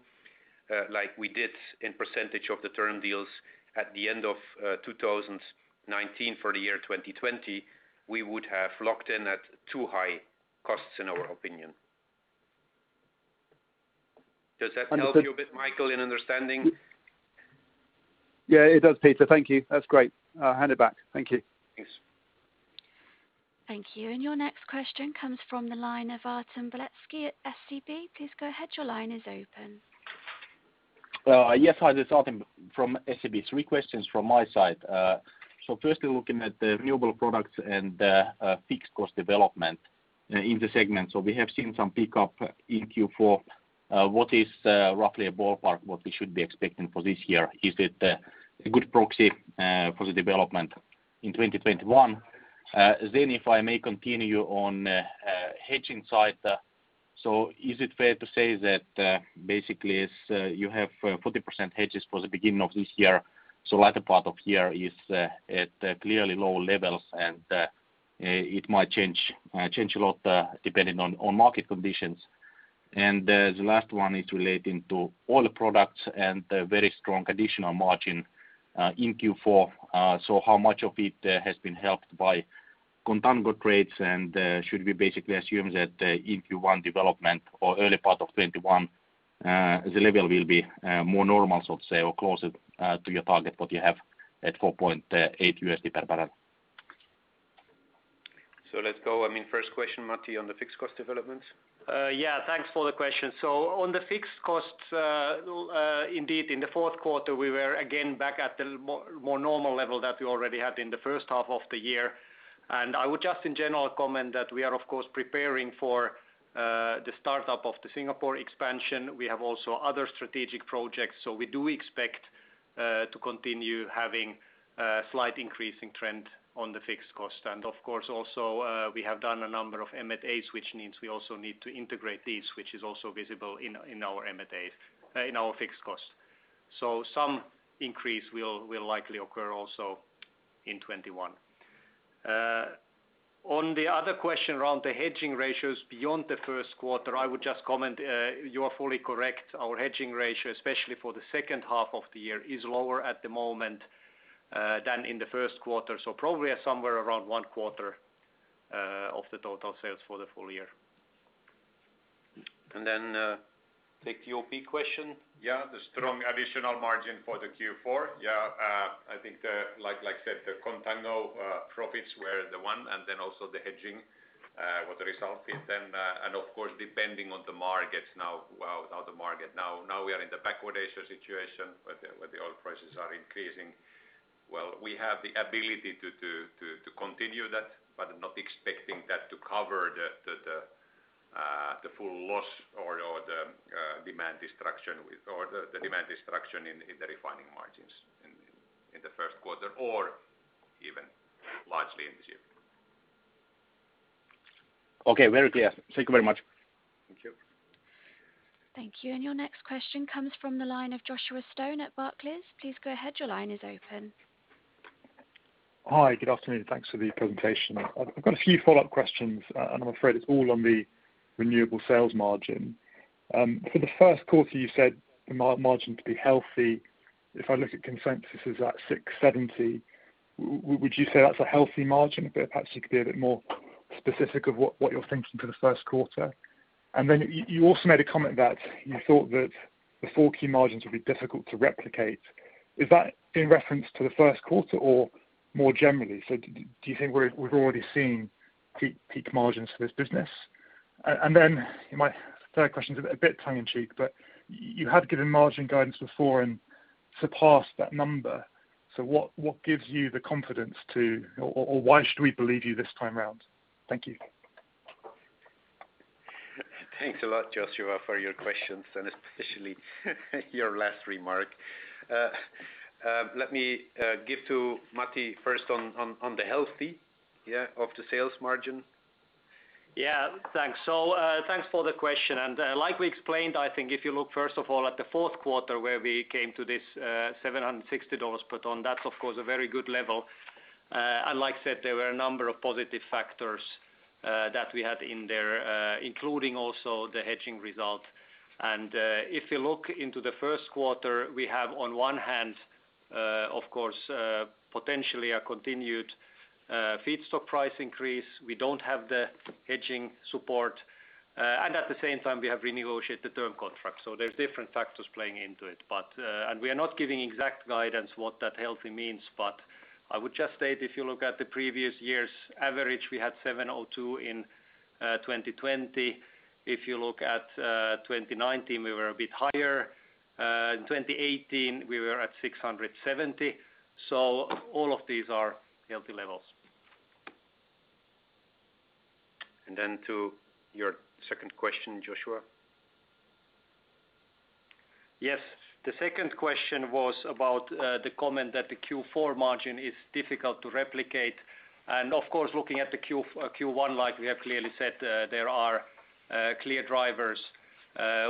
like we did in percentage of the term deals at the end of 2019 for the year 2020, we would have locked in at too high costs in our opinion. Does that help you a bit, Michael, in understanding? Yeah, it does, Peter. Thank you. That's great. I'll hand it back. Thank you. Thanks. Thank you. Your next question comes from the line of Artem Beletski at SEB. Please go ahead. Your line is open. Yes. Hi, this is Artem from SEB. Three questions from my side. Firstly, looking at the Renewable Products and fixed cost development in the segment. We have seen some pickup in Q4. What is roughly a ballpark what we should be expecting for this year? Is it a good proxy for the development in 2021? If I may continue on hedging side. Is it fair to say that basically, you have 40% hedges for the beginning of this year, so latter part of the year is at clearly lower levels, and it might change a lot depending on market conditions. The last one is relating to Oil Products and the very strong additional margin in Q4. How much of it has been helped by contango trades? Should we basically assume that in Q1 development or early part of 2021, the level will be more normal, so to say, or closer to your target that you have at $4.8 per barrel? Let's go. First question, Matti, on the fixed cost development. Yeah, thanks for the question. On the fixed costs, indeed in the fourth quarter, we were again back at the more normal level that we already had in the first half of the year. I would just in general comment that we are of course preparing for the startup of the Singapore expansion. We have also other strategic projects. We do expect to continue having a slight increasing trend on the fixed cost. Of course, also, we have done a number of M&As, which means we also need to integrate these, which is also visible in our fixed cost. Some increase will likely occur also in 2021. On the other question around the hedging ratios beyond the first quarter, I would just comment, you are fully correct. Our hedging ratio, especially for the second half of the year, is lower at the moment than in the first quarter. Probably somewhere around one quarter of the total sales for the full year. The OP question? Yeah, the strong additional margin for the Q4. Yeah, I think like I said, the contango profits were the one, then also the hedging was a result. Of course, depending on the market now. Now we are in the backwardation situation where the oil prices are increasing. Well, we have the ability to continue that, not expecting that to cover the full loss or the demand destruction in the refining margins in the first quarter or even largely in this year. Okay, very clear. Thank you very much. Thank you. Thank you. Your next question comes from the line of Joshua Stone at Barclays. Please go ahead. Your line is open. Hi, good afternoon. Thanks for the presentation. I've got a few follow-up questions. I'm afraid it's all on the renewable sales margin. For the first quarter, you said the margin to be healthy. If I look at consensus is at $670, would you say that's a healthy margin? Perhaps you could be a bit more specific of what you're thinking for the first quarter. You also made a comment that you thought that the Q4 margins would be difficult to replicate. Is that in reference to the first quarter or more generally? Do you think we're already seeing peak margins for this business? My third question is a bit tongue in cheek, but you had given margin guidance before and surpassed that number. What gives you the confidence, or why should we believe you this time around? Thank you. Thanks a lot, Joshua, for your questions, and especially your last remark. Let me give to Matti first on the healthy of the sales margin. Yeah. Thanks. Thanks for the question. Like we explained, I think if you look first of all at the fourth quarter where we came to this $760 per ton, that's of course a very good level. Like I said, there were a number of positive factors that we had in there, including also the hedging result. If you look into the first quarter, we have on one hand, of course, potentially a continued feedstock price increase. We don't have the hedging support. At the same time, we have renegotiated the term contract. There's different factors playing into it. We are not giving exact guidance what that healthy means, but I would just state if you look at the previous year's average, we had $702 in 2020. If you look at 2019, we were a bit higher. In 2018, we were at $670. All of these are healthy levels. To your second question, Joshua. Yes. The second question was about the comment that the Q4 margin is difficult to replicate. Of course, looking at the Q1, like we have clearly said, there are clear drivers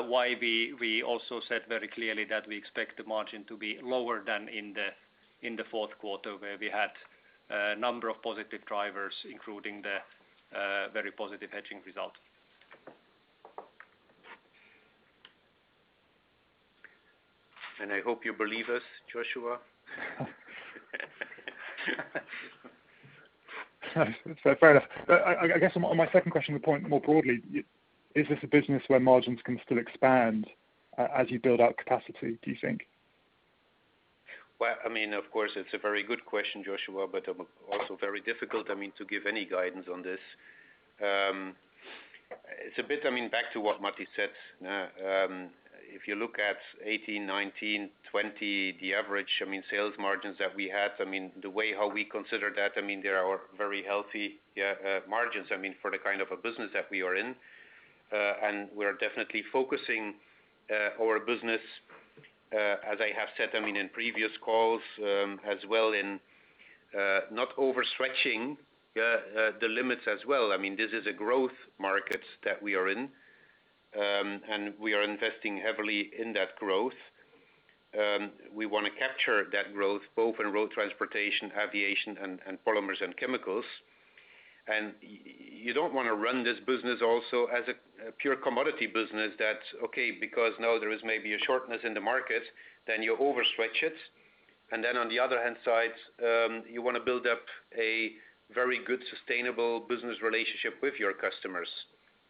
why we also said very clearly that we expect the margin to be lower than in the fourth quarter where we had a number of positive drivers, including the very positive hedging result. I hope you believe us, Joshua. Fair enough. I guess on my second question, the point more broadly, is this a business where margins can still expand as you build out capacity, do you think? Well, of course, it's a very good question, Joshua, but also very difficult to give any guidance on this. It's a bit back to what Matti said. If you look at 2018, 2019, 2020, the average sales margins that we had, the way we consider that, they are very healthy margins for the kind of a business that we are in. We are definitely focusing our business, as I have said in previous calls as well, in not overstretching the limits as well. This is a growth market that we are in, and we are investing heavily in that growth. We want to capture that growth both in road transportation, aviation, and renewable polymers and chemicals. You don't want to run this business also as a pure commodity business that, okay, because now there is maybe a shortness in the market, then you overstretch it. On the other hand side, you want to build up a very good, sustainable business relationship with your customers.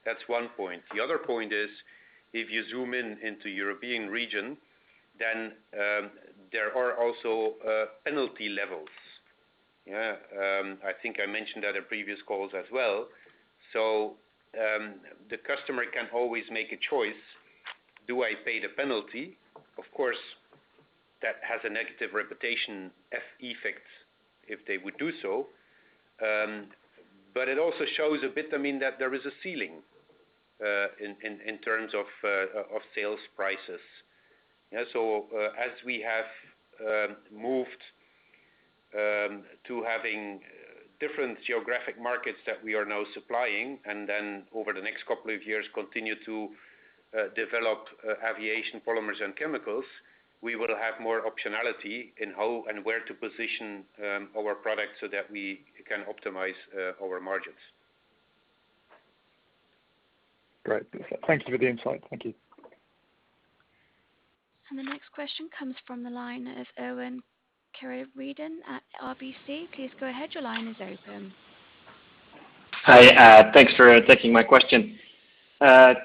That's one point. The other point is, if you zoom in into European region, there are also penalty levels. I think I mentioned at a previous calls as well. The customer can always make a choice. Do I pay the penalty? Of course, that has a negative reputation effect if they would do so. It also shows a bit that there is a ceiling in terms of sales prices. As we have moved to having different geographic markets that we are now supplying, and then over the next couple of years continue to develop aviation polymers and chemicals, we will have more optionality in how and where to position our products so that we can optimize our margins. Great. Thank you for the insight. Thank you. The next question comes from the line of Erwan Kerouredan at RBC. Please go ahead. Your line is open. Hi. Thanks for taking my question.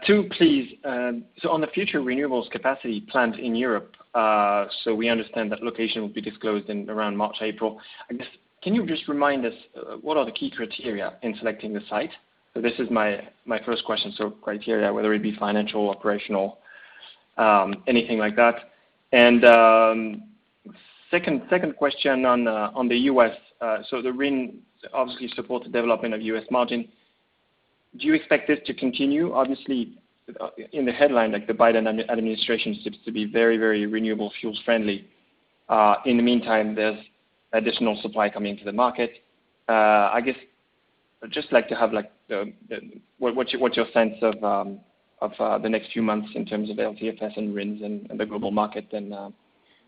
Two, please. On the future renewables capacity plant in Europe, we understand that location will be disclosed in around March, April. I guess, can you just remind us what are the key criteria in selecting the site? This is my first question. Criteria, whether it be financial, operational, anything like that. Second question on the U.S. The RIN obviously support the development of U.S. margin. Do you expect this to continue? Obviously, in the headline, the Biden administration seems to be very renewable fuels friendly. In the meantime, there's additional supply coming to the market. I guess, I'd just like to have what's your sense of the next few months in terms of LCFS and RINs and the global market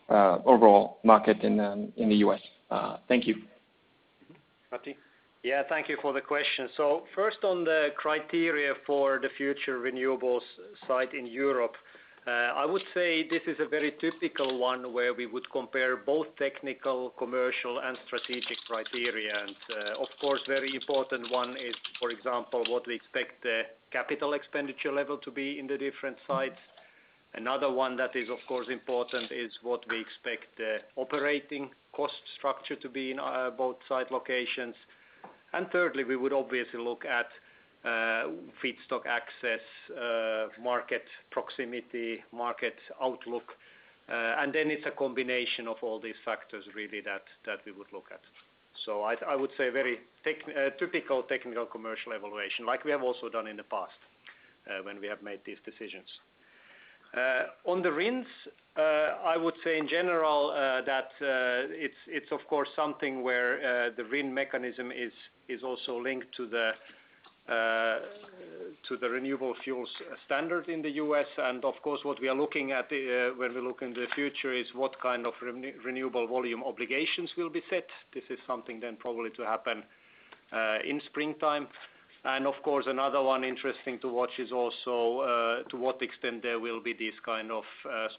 and overall market in the U.S. Thank you. Matti? Yeah. Thank you for the question. First on the criteria for the future renewables site in Europe. I would say this is a very typical one where we would compare both technical, commercial, and strategic criteria. Of course, very important one is, for example, what we expect the capital expenditure level to be in the different sites. Another one that is, of course, important is what we expect the operating cost structure to be in both site locations. Thirdly, we would obviously look at feedstock access, market proximity, market outlook. It's a combination of all these factors really that we would look at. I would say very typical technical commercial evaluation like we have also done in the past when we have made these decisions. On the RINs, I would say in general that it's of course something where the RIN mechanism is also linked to the Renewable Fuel Standard in the U.S. Of course, what we are looking at when we look in the future is what kind of renewable volume obligations will be set. This is something then probably to happen in springtime. Of course, another one interesting to watch is also to what extent there will be this kind of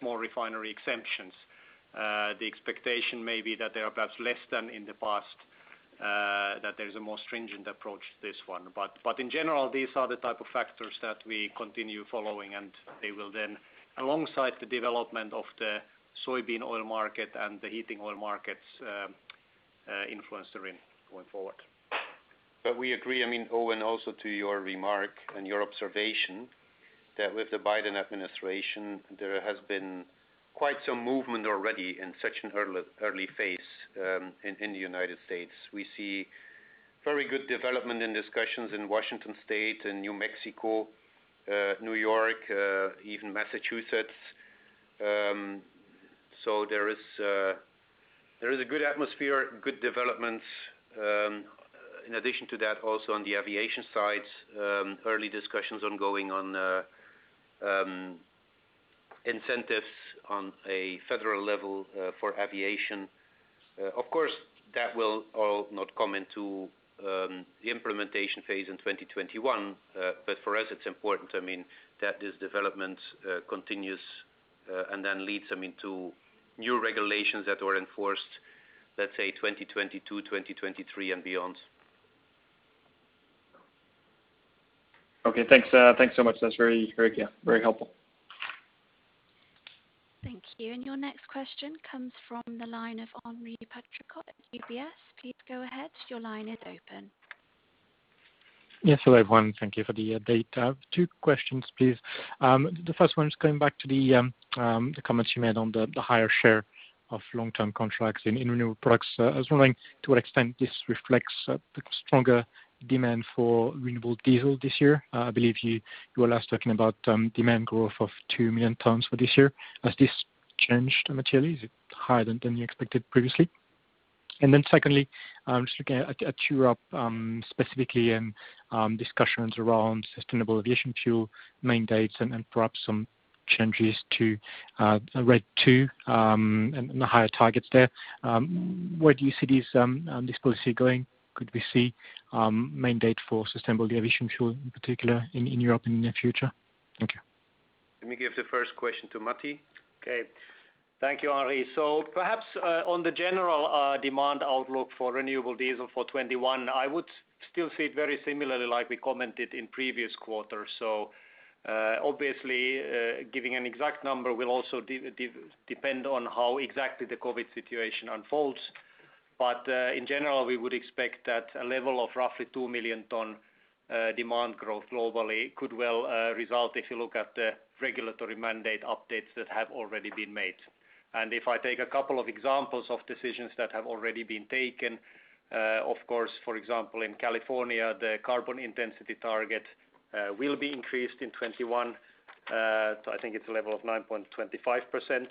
small refinery exemptions. The expectation may be that there are perhaps less than in the past, that there's a more stringent approach to this one. In general, these are the type of factors that we continue following, and they will then, alongside the development of the soybean oil market and the heating oil markets, influence the RIN going forward. We agree, Erwan, also to your remark and your observation that with the Biden administration, there has been quite some movement already in such an early phase in the U.S. We see very good development in discussions in Washington state and New Mexico, New York, even Massachusetts. There is a good atmosphere, good developments. In addition to that, also on the aviation side, early discussions ongoing on incentives on a federal level for aviation. Of course, that will all not come into the implementation phase in 2021. For us, it's important that this development continues and then leads them into new regulations that were enforced, let’s say 2022, 2023, and beyond. Okay, thanks so much. That's very helpful. Thank you. Your next question comes from the line of Henri Patricot at UBS. Please go ahead. Yes. Hello, everyone. Thank you for the data. Two questions, please. The first one is going back to the comments you made on the higher share of long-term contracts in renewable products. I was wondering to what extent this reflects a stronger demand for renewable diesel this year. I believe you were last talking about demand growth of two million tons for this year. Has this changed materially? Is it higher than you expected previously? Then secondly, I'm just looking at Europe, specifically in discussions around sustainable aviation fuel mandates and perhaps some changes to RED II, and the higher targets there. Where do you see this policy going? Could we see a mandate for sustainable aviation fuel, in particular in Europe and in the future? Thank you. Let me give the first question to Matti. Thank you, Henri. Perhaps, on the general demand outlook for renewable diesel for 2021, I would still see it very similarly like we commented in previous quarters. Obviously, giving an exact number will also depend on how exactly the COVID situation unfolds. In general, we would expect that a level of roughly two million ton demand growth globally could well result if you look at the regulatory mandate updates that have already been made. If I take a couple of examples of decisions that have already been taken, of course, for example, in California, the carbon intensity target will be increased in 2021. I think it's a level of 9.25%.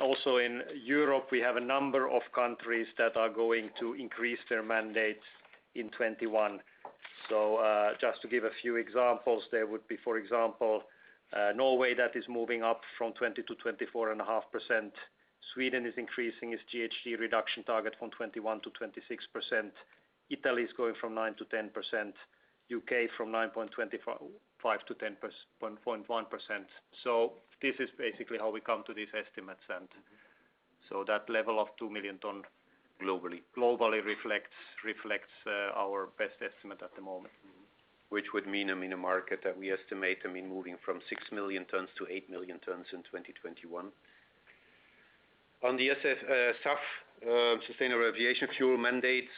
Also in Europe, we have a number of countries that are going to increase their mandates in 2021. Just to give a few examples, there would be, for example, Norway that is moving up from 20%-24.5%. Sweden is increasing its GHG reduction target from 21%-26%. Italy is going from 9%-10%, U.K. from 9.25%-10.1%. This is basically how we come to these estimates. Globally. Globally reflects our best estimate at the moment. Which would mean in a market that we estimate moving from six million tons to eight million tons in 2021. On the SAF, sustainable aviation fuel mandates,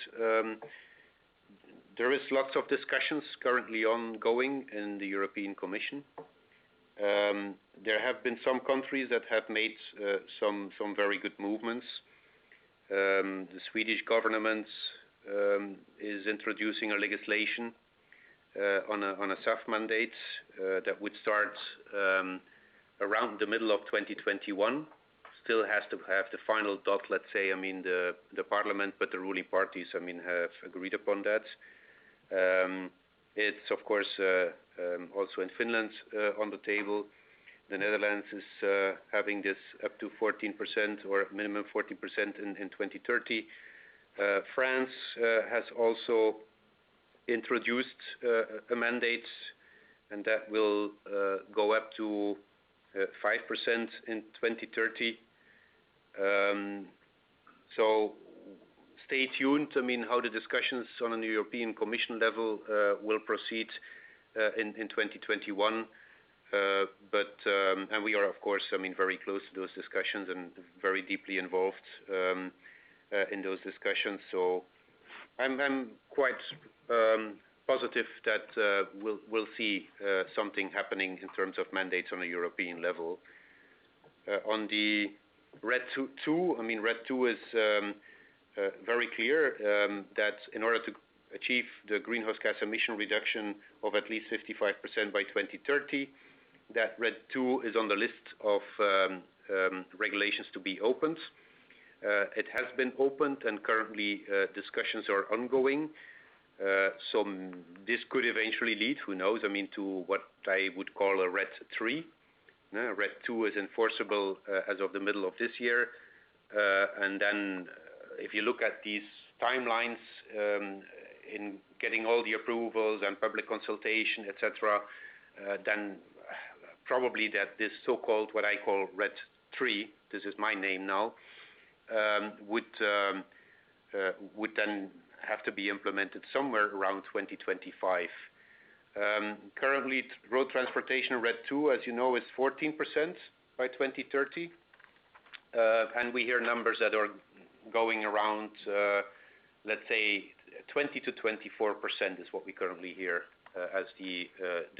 there is lots of discussions currently ongoing in the European Commission. There have been some countries that have made some very good movements. The Swedish government is introducing a legislation on a SAF mandate that would start around the middle of 2021. Still has to have the final dot, let's say, the parliament. The ruling parties have agreed upon that. It's, of course, also in Finland on the table. The Netherlands is having this up to 14% or a minimum of 14% in 2030. France has also introduced a mandate. That will go up to 5% in 2030. Stay tuned how the discussions on a European Commission level will proceed in 2021. We are, of course, very close to those discussions and very deeply involved in those discussions. I'm quite positive that we'll see something happening in terms of mandates on a European level. On the RED II, RED II is very clear that in order to achieve the GHG emission reduction of at least 55% by 2030, that RED II is on the list of regulations to be opened. It has been opened and currently discussions are ongoing. This could eventually lead, who knows, to what I would call a RED III. RED II is enforceable as of the middle of this year. If you look at these timelines in getting all the approvals and public consultation, et cetera, then probably that this so-called, what I call RED III, this is my name now, would then have to be implemented somewhere around 2025. Currently, road transportation RED II, as you know, is 14% by 2030. We hear numbers that are going around, let's say 20%-24% is what we currently hear as the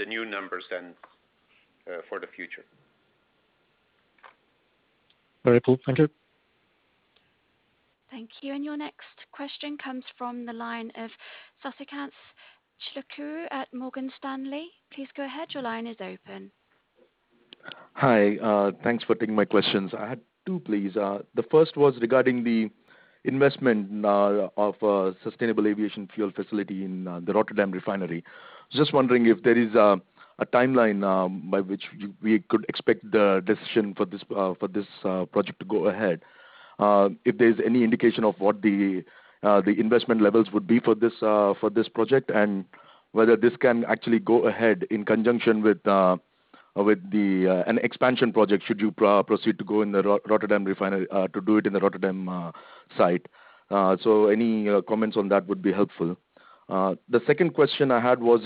new numbers then for the future. Very cool. Thank you. Thank you. Your next question comes from the line of Sasikanth Chilukuru at Morgan Stanley. Please go ahead. Your line is open. Hi. Thanks for taking my questions. I had two, please. The first was regarding the investment of sustainable aviation fuel facility in the Rotterdam refinery. Just wondering if there is a timeline by which we could expect the decision for this project to go ahead. If there's any indication of what the investment levels would be for this project, and whether this can actually go ahead in conjunction with an expansion project, should you proceed to do it in the Rotterdam site. Any comments on that would be helpful. The second question I had was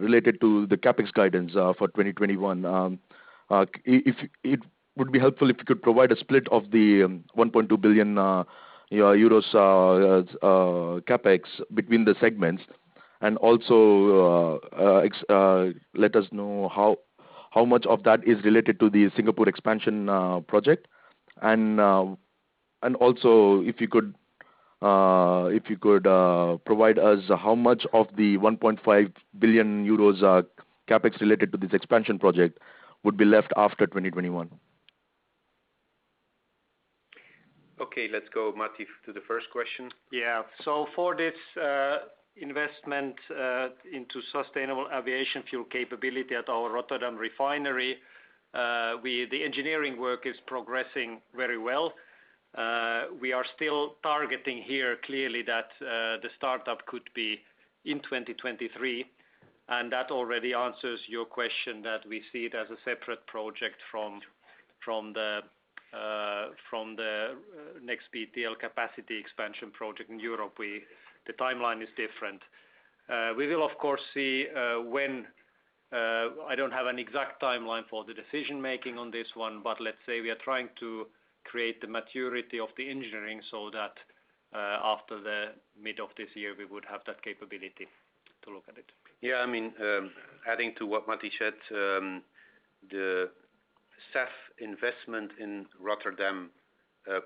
related to the CapEx guidance for 2021. It would be helpful if you could provide a split of the 1.2 billion euros CapEx between the segments, and also let us know how much of that is related to the Singapore expansion project. Also, if you could provide us how much of the 1.5 billion euros CapEx related to this expansion project would be left after 2021. Okay, let's go, Matti, to the first question. Yeah. For this investment into sustainable aviation fuel capability at our Rotterdam refinery, the engineering work is progressing very well. We are still targeting here clearly that the startup could be in 2023, and that already answers your question that we see it as a separate project from the NEXBTL capacity expansion project in Europe. The timeline is different. We will, of course, see when, I don't have an exact timeline for the decision-making on this one, but let's say we are trying to create the maturity of the engineering so that after the mid of this year, we would have that capability to look at it. Adding to what Matti said, the SAF investment in Rotterdam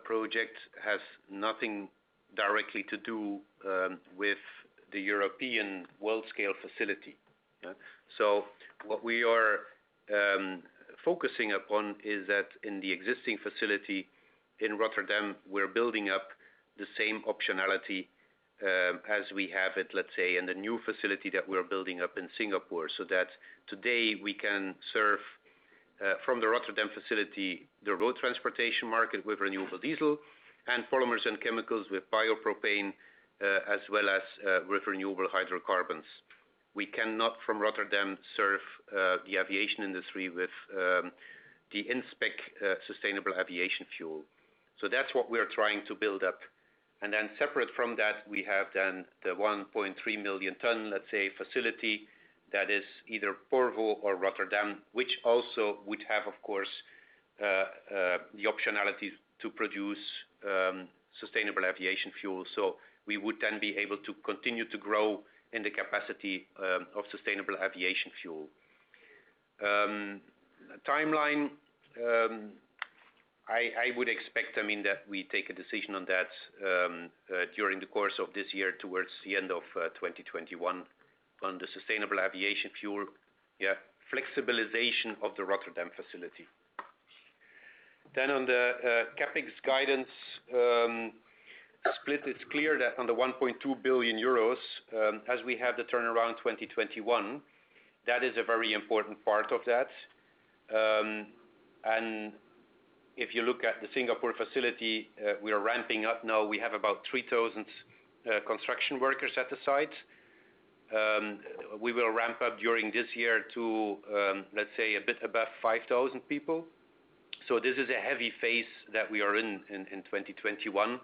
project has nothing directly to do with the European world scale facility. What we are focusing upon is that in the existing facility in Rotterdam, we're building up the same optionality as we have at, let's say, in the new facility that we're building up in Singapore, so that today we can serve from the Rotterdam facility, the road transportation market with renewable diesel and polymers and chemicals with biopropane, as well as with renewable hydrocarbons. We cannot from Rotterdam serve the aviation industry with the on-spec sustainable aviation fuel. Separate from that, we have then the 1.3 million ton, let's say, facility that is either Porvoo or Rotterdam, which also would have, of course, the optionality to produce sustainable aviation fuel. We would then be able to continue to grow in the capacity of sustainable aviation fuel. Timeline, I would expect that we take a decision on that during the course of this year, towards the end of 2021 on the sustainable aviation fuel flexibilization of the Rotterdam facility. On the CapEx guidance split, it's clear that on the 1.2 billion euros, as we have the turnaround 2021, that is a very important part of that. If you look at the Singapore facility, we are ramping up now. We have about 3,000 construction workers at the site. We will ramp up during this year to, let's say, a bit above 5,000 people. This is a heavy phase that we are in in 2021.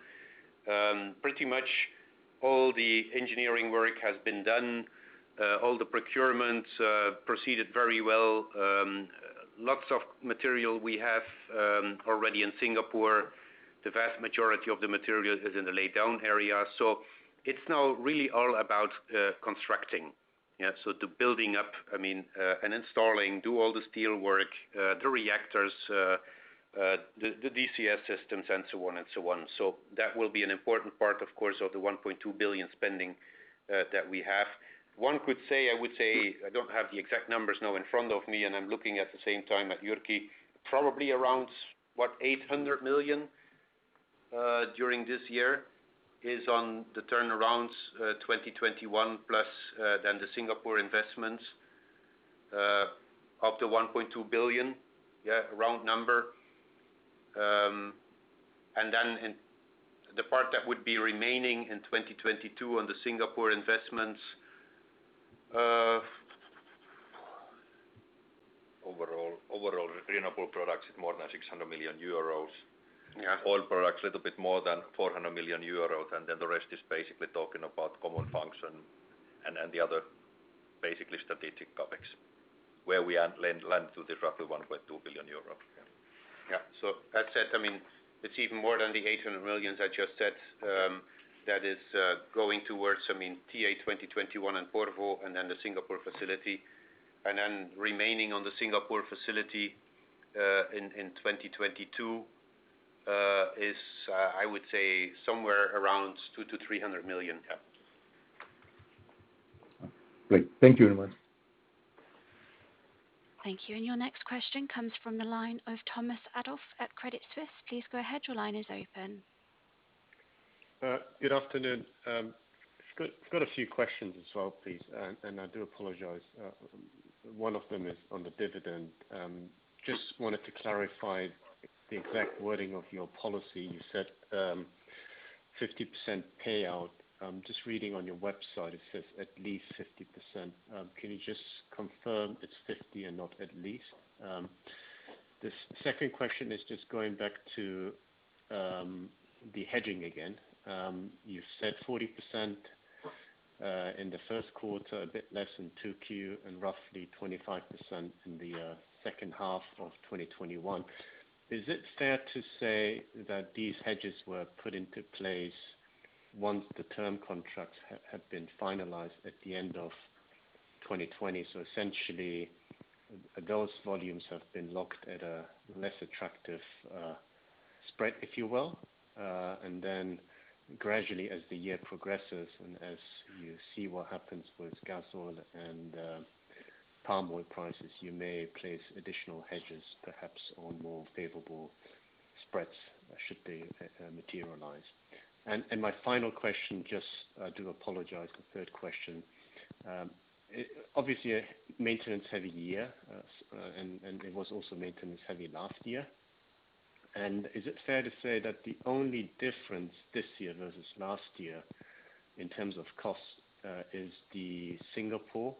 Pretty much all the engineering work has been done. All the procurements proceeded very well. Lots of material we have already in Singapore. The vast majority of the material is in the laydown area. It's now really all about constructing. The building up, and installing, do all the steel work, the reactors, the DCS systems and so on. That will be an important part, of course, of the 1.2 billion spending that we have. One could say, I would say, I don't have the exact numbers now in front of me, and I'm looking at the same time at Jyrki, probably around, what, 800 million during this year is on the turnarounds 2021 plus, then the Singapore investments of the EUR 1.2 billion. Round number. The part that would be remaining in 2022 on the Singapore investments. Overall renewable products is more than 600 million euros. Yeah. Oil Products a little bit more than 400 million euros. The rest is basically talking about common function and the other basically strategic CapEx, where we land to the roughly 1.2 billion euro. That said, it's even more than the 800 million I just said, that is, going towards TA 2021 and Porvoo, and then the Singapore facility. Then remaining on the Singapore facility in 2022 is I would say somewhere around 200 million-300 million CapEx. Great. Thank you very much. Thank you. Your next question comes from the line of Thomas Adolff at Credit Suisse. Please go ahead. Good afternoon. I've got a few questions as well, please. I do apologize. One of them is on the dividend. Just wanted to clarify the exact wording of your policy. You said 50% payout. Just reading on your website, it says at least 50%. Can you just confirm it's 50% and not at least? The second question is just going back to the hedging again. You said 40% in the first quarter, a bit less than 2Q, roughly 25% in the second half of 2021. Is it fair to say that these hedges were put into place once the term contracts had been finalized at the end of 2020? Essentially, those volumes have been locked at a less attractive spread, if you will. Then gradually as the year progresses and as you see what happens with gasoline and palm oil prices, you may place additional hedges perhaps on more favorable spreads, should they materialize. My final question, just I do apologize, the third question. Obviously, a maintenance-heavy year, and it was also maintenance heavy last year. Is it fair to say that the only difference this year versus last year, in terms of cost, is the Singapore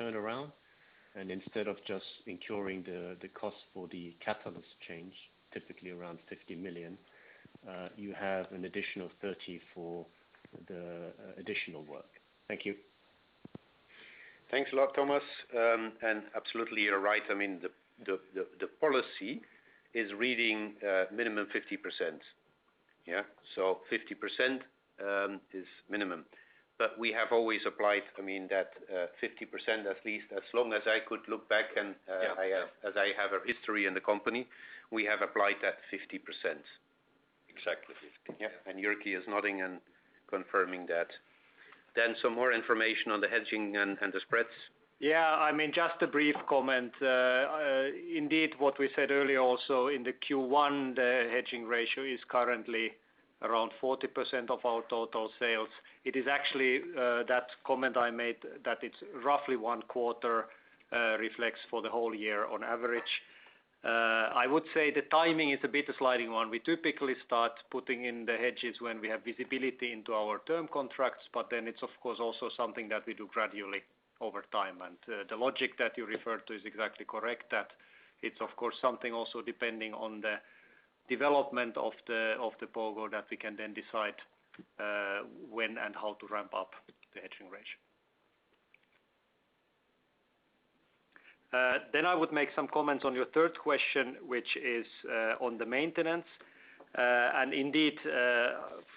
turnaround? Instead of just incurring the cost for the catalyst change, typically around 50 million, you have an additional 30 million for the additional work. Thank you. Thanks a lot, Thomas. Absolutely you're right. The policy is reading minimum 50%. Yeah. 50% is minimum. We have always applied that 50%, at least as long as I could look back. Yeah. As I have a history in the company, we have applied that 50%. Exactly. 50%. Yeah. Jyrki is nodding and confirming that. Some more information on the hedging and the spreads. Yeah, just a brief comment. Indeed, what we said earlier also in the Q1, the hedging ratio is currently around 40% of our total sales. It is actually that comment I made that it's roughly one quarter reflects for the whole year on average. I would say the timing is a bit a sliding one. We typically start putting in the hedges when we have visibility into our term contracts, but then it's of course, also something that we do gradually over time. The logic that you referred to is exactly correct, that it's of course something also depending on the development of the Porvoo that we can then decide when and how to ramp up the hedging ratio. I would make some comments on your third question, which is on the maintenance. Indeed,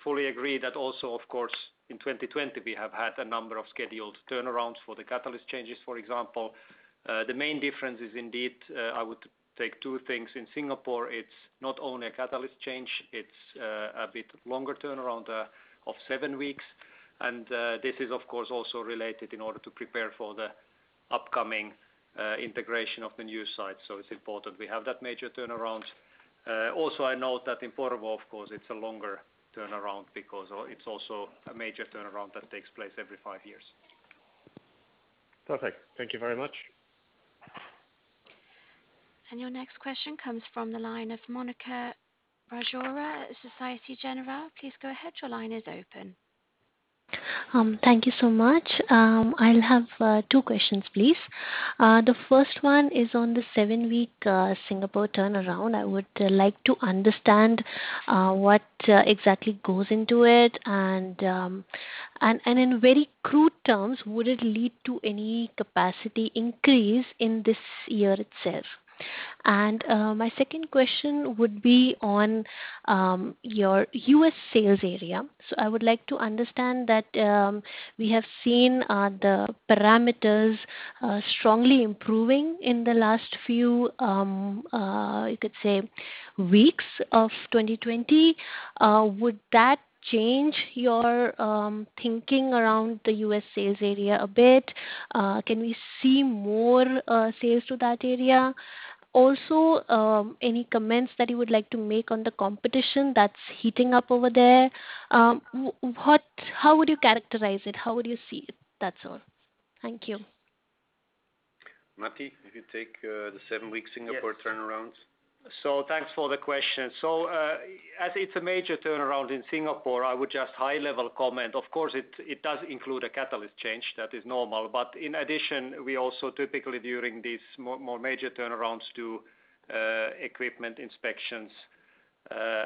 fully agree that also, of course, in 2020, we have had a number of scheduled turnarounds for the catalyst changes, for example. The main difference is indeed, I would take two things. In Singapore, it's not only a catalyst change, it's a bit longer turnaround of seven weeks. This is, of course, also related in order to prepare for the upcoming integration of the new site. It's important we have that major turnaround. Also, I know that in Porvoo, of course, it's a longer turnaround because it's also a major turnaround that takes place every five years. Perfect. Thank you very much. Your next question comes from the line of Monika Rajoria at Société Générale. Please go ahead. Your line is open. Thank you so much. I'll have two questions, please. The first one is on the seven-week Singapore turnaround. I would like to understand what exactly goes into it, and in very crude terms, would it lead to any capacity increase in this year itself? My second question would be on your U.S. sales area. I would like to understand that we have seen the parameters strongly improving in the last few, you could say, weeks of 2020. Would that change your thinking around the U.S. sales area a bit? Can we see more sales to that area? Also, any comments that you would like to make on the competition that's heating up over there? How would you characterize it? How would you see it? That's all. Thank you. Matti, if you take the seven-week Singapore turnarounds. Yes. Thanks for the question. As it's a major turnaround in Singapore, I would just high-level comment. Of course, it does include a catalyst change that is normal. In addition, we also typically during these more major turnarounds do equipment inspections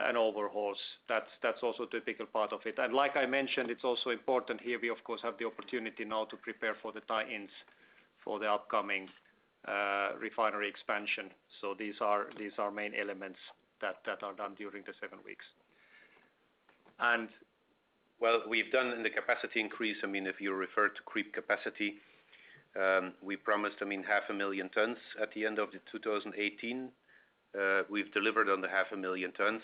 and overhauls. That's also a typical part of it. Like I mentioned, it's also important here we, of course, have the opportunity now to prepare for the tie-ins for the upcoming refinery expansion. These are main elements that are done during the seven weeks. Well, we've done in the capacity increase, if you refer to creep capacity, we promised 500,000 tons at the end of 2018. We've delivered on the 500,000 tons.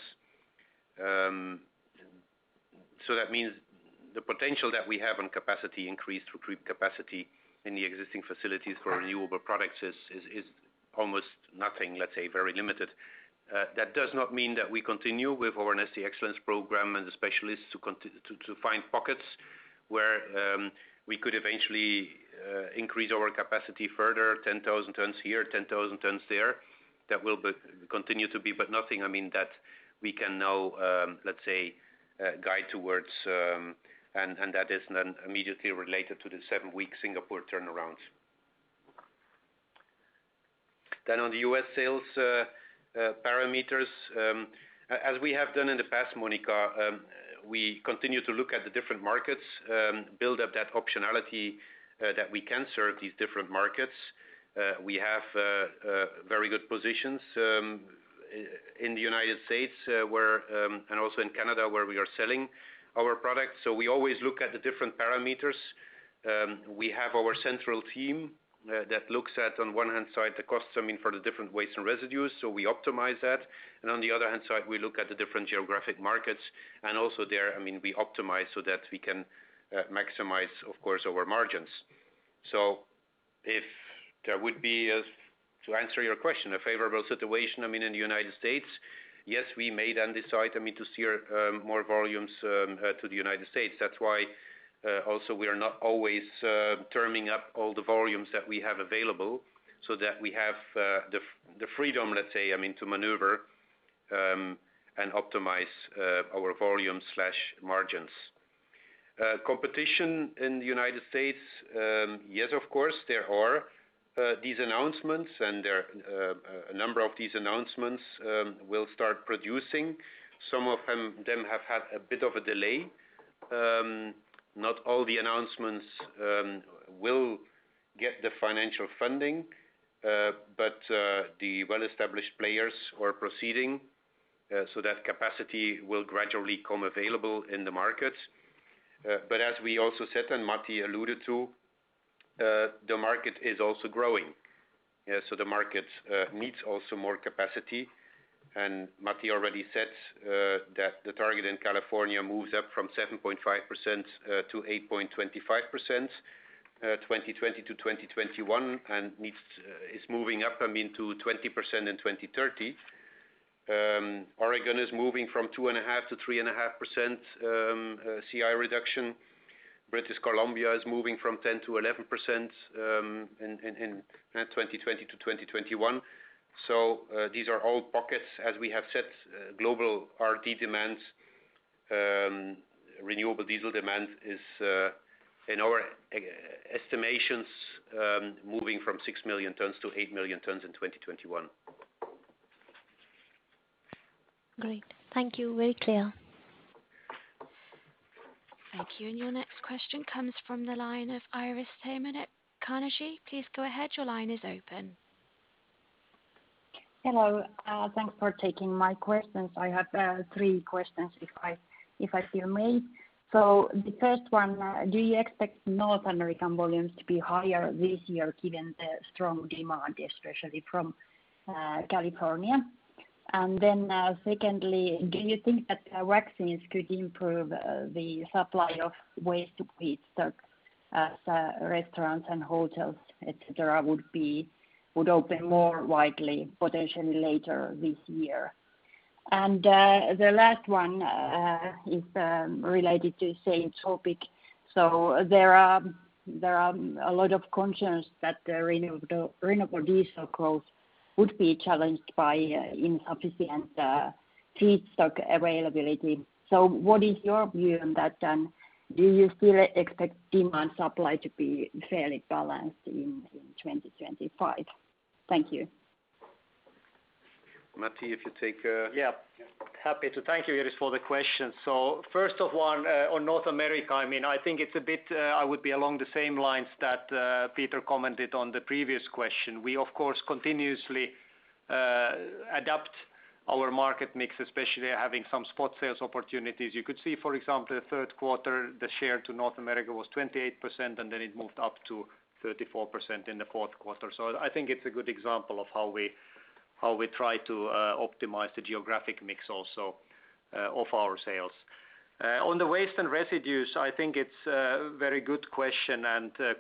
That means the potential that we have on capacity increase through capacity in the existing facilities for renewable products is almost nothing, let's say very limited. That does not mean that we continue with our Neste Excellence program and the specialists to find pockets where we could eventually increase our capacity further, 10,000 tons here, 10,000 tons there. That will continue to be. Nothing that we can now guide towards, and that is not immediately related to the seven week Singapore turnarounds. On the U.S. sales parameters, as we have done in the past, Monika, we continue to look at the different markets, build up that optionality that we can serve these different markets. We have very good positions in the United States and also in Canada, where we are selling our products. We always look at the different parameters. We have our central team that looks at, on one hand side, the costs for the different waste and residues, so we optimize that. On the other hand side, we look at the different geographic markets. Also there, we optimize so that we can maximize, of course, our margins. If there would be, to answer your question, a favorable situation in the United States, yes, we may then decide, to steer more volumes to the United States. That's why also we are not always terming up all the volumes that we have available so that we have the freedom, let's say, to maneuver, and optimize our volume/margins. Competition in the United States, yes, of course, there are these announcements. A number of these announcements will start producing. Some of them have had a bit of a delay. Not all the announcements will get the financial funding. The well-established players are proceeding, that capacity will gradually become available in the market. As we also said, and Matti alluded to, the market is also growing. The market needs also more capacity. Matti already said that the target in California moves up from 7.5%-8.25% 2020-2021, and is moving up to 20% in 2030. Oregon is moving from 2.5%-3.5% CI reduction. British Columbia is moving from 10%-11% in 2020-2021. These are all pockets. As we have said, global RD demands, renewable diesel demand is, in our estimations, moving from six million tons to eight million tons in 2021. Great. Thank you. Very clear. Thank you. Your next question comes from the line of Iiris Theman at Carnegie. Please go ahead. Your line is open. Hello. Thanks for taking my questions. I have three questions, if I still may. The first one, do you expect North American volumes to be higher this year given the strong demand, especially from California? Then secondly, do you think that vaccines could improve the supply of waste feedstock as restaurants and hotels, et cetera, would open more widely, potentially later this year? The last one is related to the same topic. There are a lot of concerns that the renewable diesel growth would be challenged by insufficient feedstock availability. What is your view on that? Do you still expect demand supply to be fairly balanced in 2025? Thank you. Matti, if you take. Yeah. Happy to. Thank you, Iiris, for the question. First of one, on North America, I would be along the same lines that Peter commented on the previous question. We, of course, continuously adapt our market mix, especially having some spot sales opportunities. You could see, for example, the third quarter, the share to North America was 28%, and then it moved up to 34% in the fourth quarter. I think it's a good example of how we try to optimize the geographic mix also of our sales. On the waste and residues, I think it's a very good question.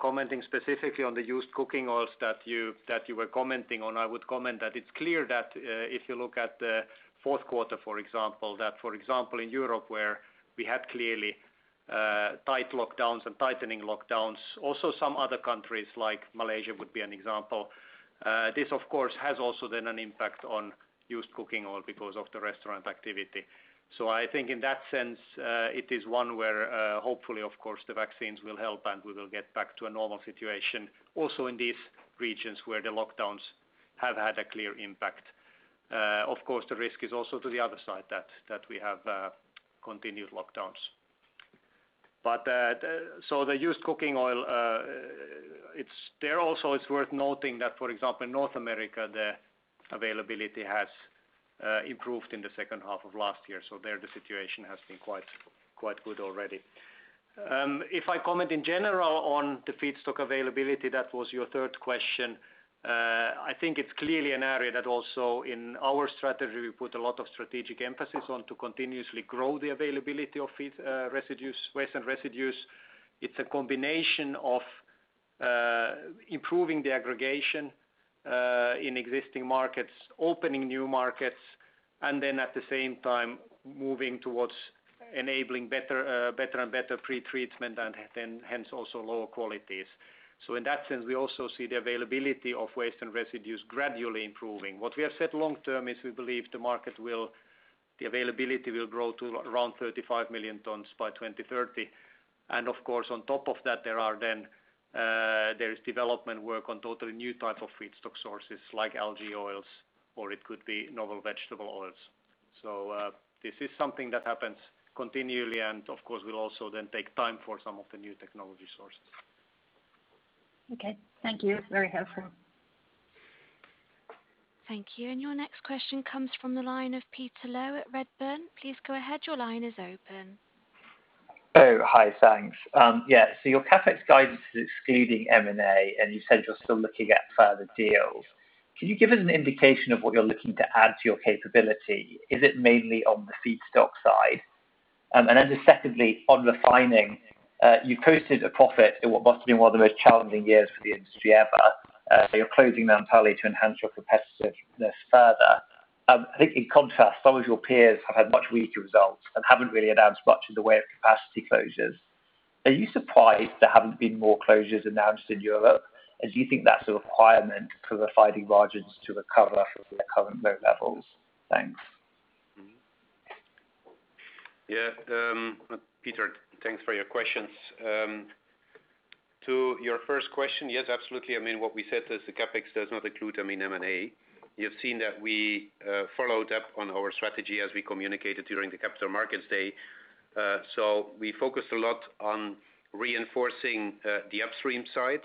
Commenting specifically on the used cooking oils that you were commenting on, I would comment that it's clear that if you look at the fourth quarter, for example, that, for example, in Europe, where we had clearly tight lockdowns and tightening lockdowns, also some other countries like Malaysia would be an example. This, of course, has also then an impact on used cooking oil because of the restaurant activity. I think in that sense, it is one where hopefully, of course, the vaccines will help, and we will get back to a normal situation also in these regions where the lockdowns have had a clear impact. Of course, the risk is also to the other side, that we have continued lockdowns. The used cooking oil, there also it's worth noting that, for example, in North America, the availability has improved in the second half of last year. There, the situation has been quite good already. If I comment in general on the feedstock availability, that was your third question. I think it's clearly an area that also in our strategy, we put a lot of strategic emphasis on to continuously grow the availability of waste and residues. It's a combination of improving the aggregation in existing markets, opening new markets, and then at the same time moving towards enabling better and better pretreatment, and hence also lower qualities. In that sense, we also see the availability of waste and residues gradually improving. What we have said long-term is we believe the availability will grow to around 35 million tons by 2030. Of course, on top of that, there is development work on totally new types of feedstock sources like algae oils, or it could be novel vegetable oils. This is something that happens continually and, of course, will also then take time for some of the new technology sources. Okay. Thank you. Very helpful. Thank you. Your next question comes from the line of Peter Low at Redburn. Please go ahead. Your line is open. Oh, hi. Thanks. Yeah. Your CapEx guidance is excluding M&A, and you said you're still looking at further deals. Can you give us an indication of what you're looking to add to your capability? Is it mainly on the feedstock side? Just secondly, on refining, you posted a profit in what must have been one of the most challenging years for the industry ever.r. Peter, thanks for your questions. To your first question, yes, absolutely. What we said is the CapEx does not include M&A. You have seen that we follow up on our strategy as we communicated during the capital markets day. We focused a lot on reinforcing the upstream side.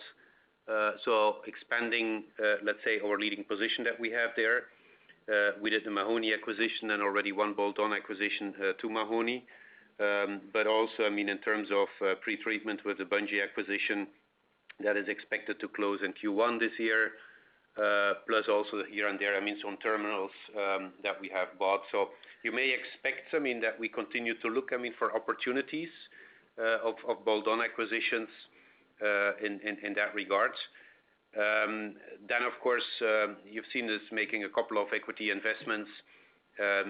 Expanding, let's say, our leading position that we have there. We did the Mahoney acquisition and already one bolt-on acquisition to Mahoney. In terms of pretreatment with the Bunge acquisition, that is expected to close in Q1 this year. Here and there, some terminals that we have bought. You may expect that we continue to look for opportunities of bolt-on acquisitions in that regard. You've seen us making a couple of equity investments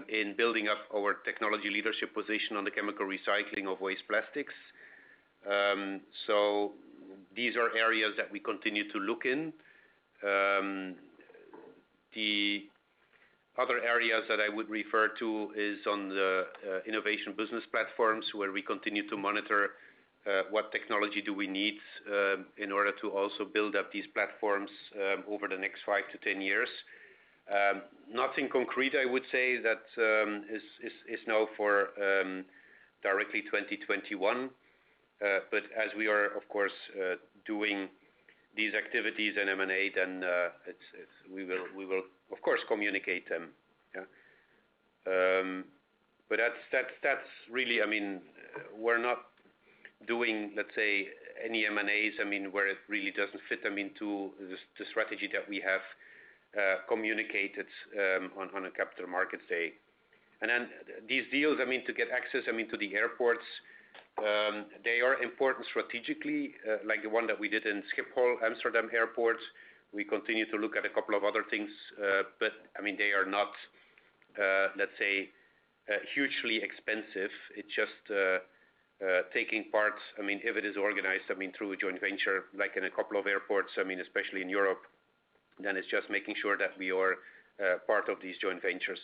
in building up our technology leadership position on the chemical recycling of waste plastics. These are areas that we continue to look in. The other areas that I would refer to is on the innovation business platforms, where we continue to monitor what technology do we need in order to also build up these platforms over the next 5-10 years. Nothing concrete, I would say, that is now for directly 2021. As we are, of course, doing these activities and M&A, then we will, of course, communicate them. We're not doing, let's say, any M&As where it really doesn't fit into the strategy that we have communicated on the Capital Markets Day. These deals, to get access to the airports, they are important strategically, like the one that we did in Schiphol, Amsterdam Airport. We continue to look at a couple of other things. They are not, let's say, hugely expensive. It's just taking parts. If it is organized through a joint venture, like in a couple of airports, especially in Europe, then it's just making sure that we are part of these joint ventures.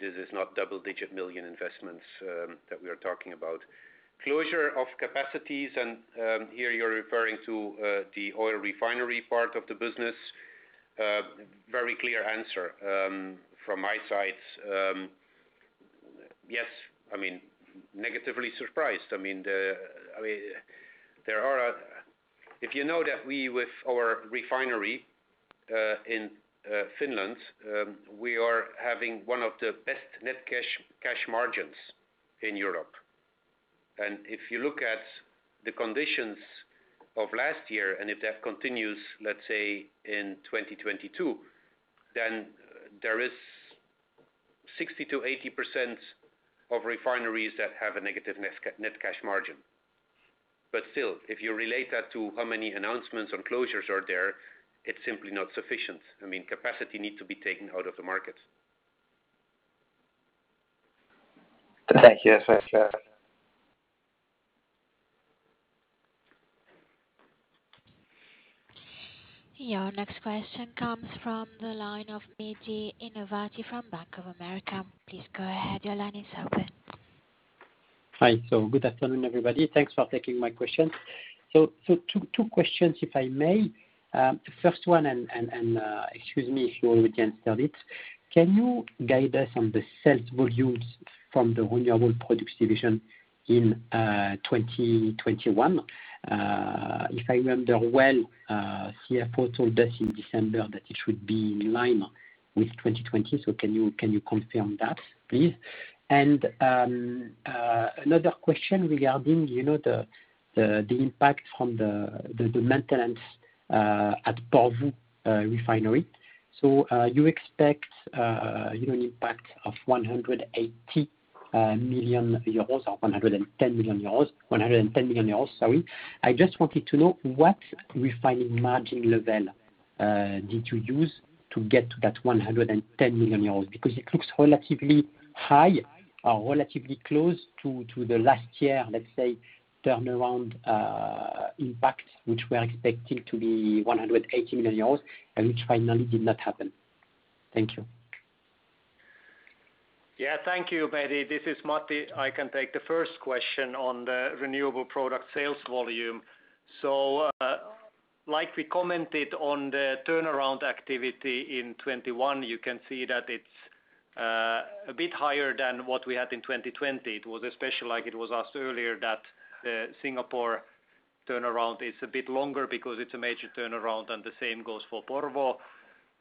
This is not double-digit million EUR investments that we are talking about. Closure of capacities, here you're referring to the oil refinery part of the business. Very clear answer from my side. Negatively surprised. You know that with our refinery in Finland, we are having one of the best net cash margins in Europe. If you look at the conditions of last year, if that continues, let's say, in 2022, there is 60%-80% of refineries that have a negative net cash margin. Still, if you relate that to how many announcements on closures are there, it's simply not sufficient. Capacity needs to be taken out of the market. Thank you. Your next question comes from the line of Mehdi Ennebati from Bank of America. Hi. Good afternoon, everybody. Thanks for taking my question. Two questions, if I may. First one, excuse me if you already answered it. Can you guide us on the sales volumes from the Renewables Platform in 2021? If I remember well, CFO reported this in December that it should be in line with 2020. Can you confirm that, please? Another question regarding the impact from the maintenance at Porvoo Refinery. You expect an impact of 180 million euros or 110 million euros. I just wanted to know what refining margin level did you use to get to that 110 million euros, because it looks relatively high or relatively close to the last year, let's say, turnaround impact, which we are expecting to be 180 million euros, and which finally did not happen. Thank you. Thank you, Mehdi. This is Matti. I can take the first question on the renewable product sales volume. Like we commented on the turnaround activity in 2021, you can see that it's a bit higher than what we had in 2020. It was special, like it was asked earlier, that Singapore turnaround is a bit longer because it's a major turnaround, and the same goes for Porvoo.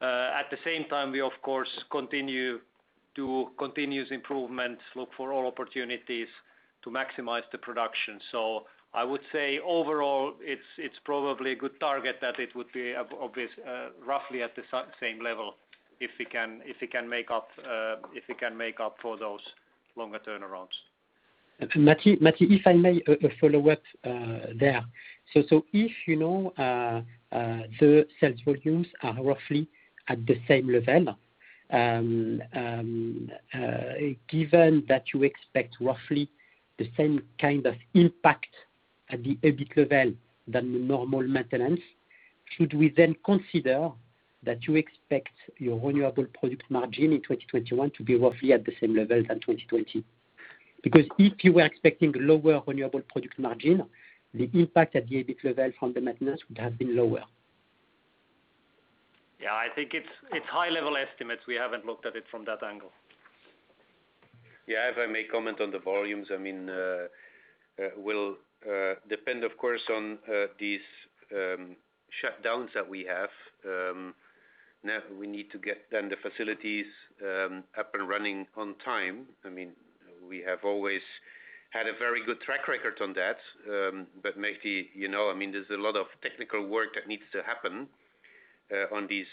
At the same time, we, of course, continue to do continuous improvements, look for all opportunities to maximize the production. I would say overall, it's probably a good target that it would be obvious roughly at the same level, if we can make up for those longer turnarounds. Matti, if I may a follow-up there. If the sales volumes are roughly at the same level, given that you expect roughly the same kind of impact at the EBIT level than the normal maintenance, should we then consider that you expect your renewable product margin in 2021 to be roughly at the same level than 2020? If you were expecting lower renewable product margin, the impact at the EBIT level from the maintenance would have been lower. Yeah, I think it's high level estimates. We haven't looked at it from that angle. If I may comment on the volumes. It will depend, of course, on these shutdowns that we have. We need to get the facilities up and running on time. We have always had a very good track record on that. Matti, there's a lot of technical work that needs to happen on these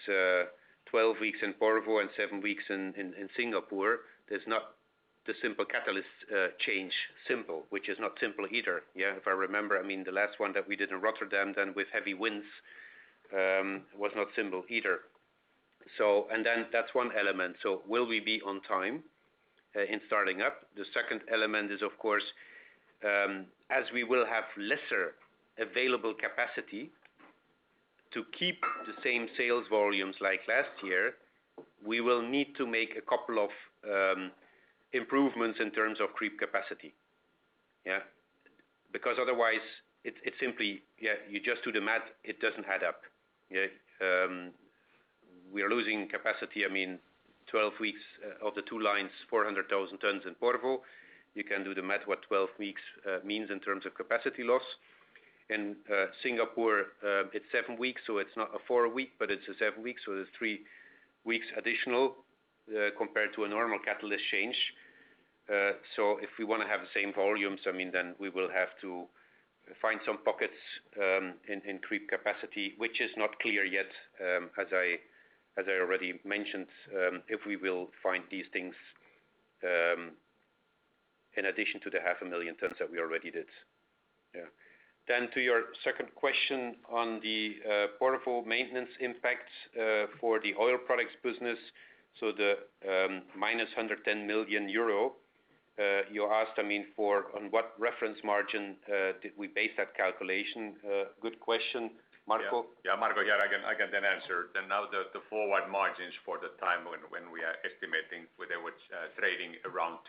12 weeks in Porvoo and seven weeks in Singapore. There's not the simple catalyst change, which is not simple either. If I remember, the last one that we did in Rotterdam with heavy winds, was not simple either. That's one element. Will we be on time in starting up? The second element is, of course, as we will have lesser available capacity to keep the same sales volumes like last year, we will need to make a couple of improvements in terms of creep capacity. Otherwise, you just do the math, it doesn't add up. We are losing capacity, 12 weeks of the two lines, 400,000 tons in Porvoo. You can do the math what 12 weeks means in terms of capacity loss. In Singapore, it's seven weeks, it's not a four a week, but it's a seven-week, there's three weeks additional, compared to a normal catalyst change. If we want to have the same volumes, we will have to find some pockets in creep capacity, which is not clear yet, as I already mentioned, if we will find these things, in addition to the half a million tons that we already did. To your second question on the Porvoo maintenance impact for the Oil Products business, the -110 million euro, you asked on what reference margin did we base that calculation? Good question. Marko? Yeah, Marko here. I can then answer. Now the forward margins for the time when we are estimating, they were trading around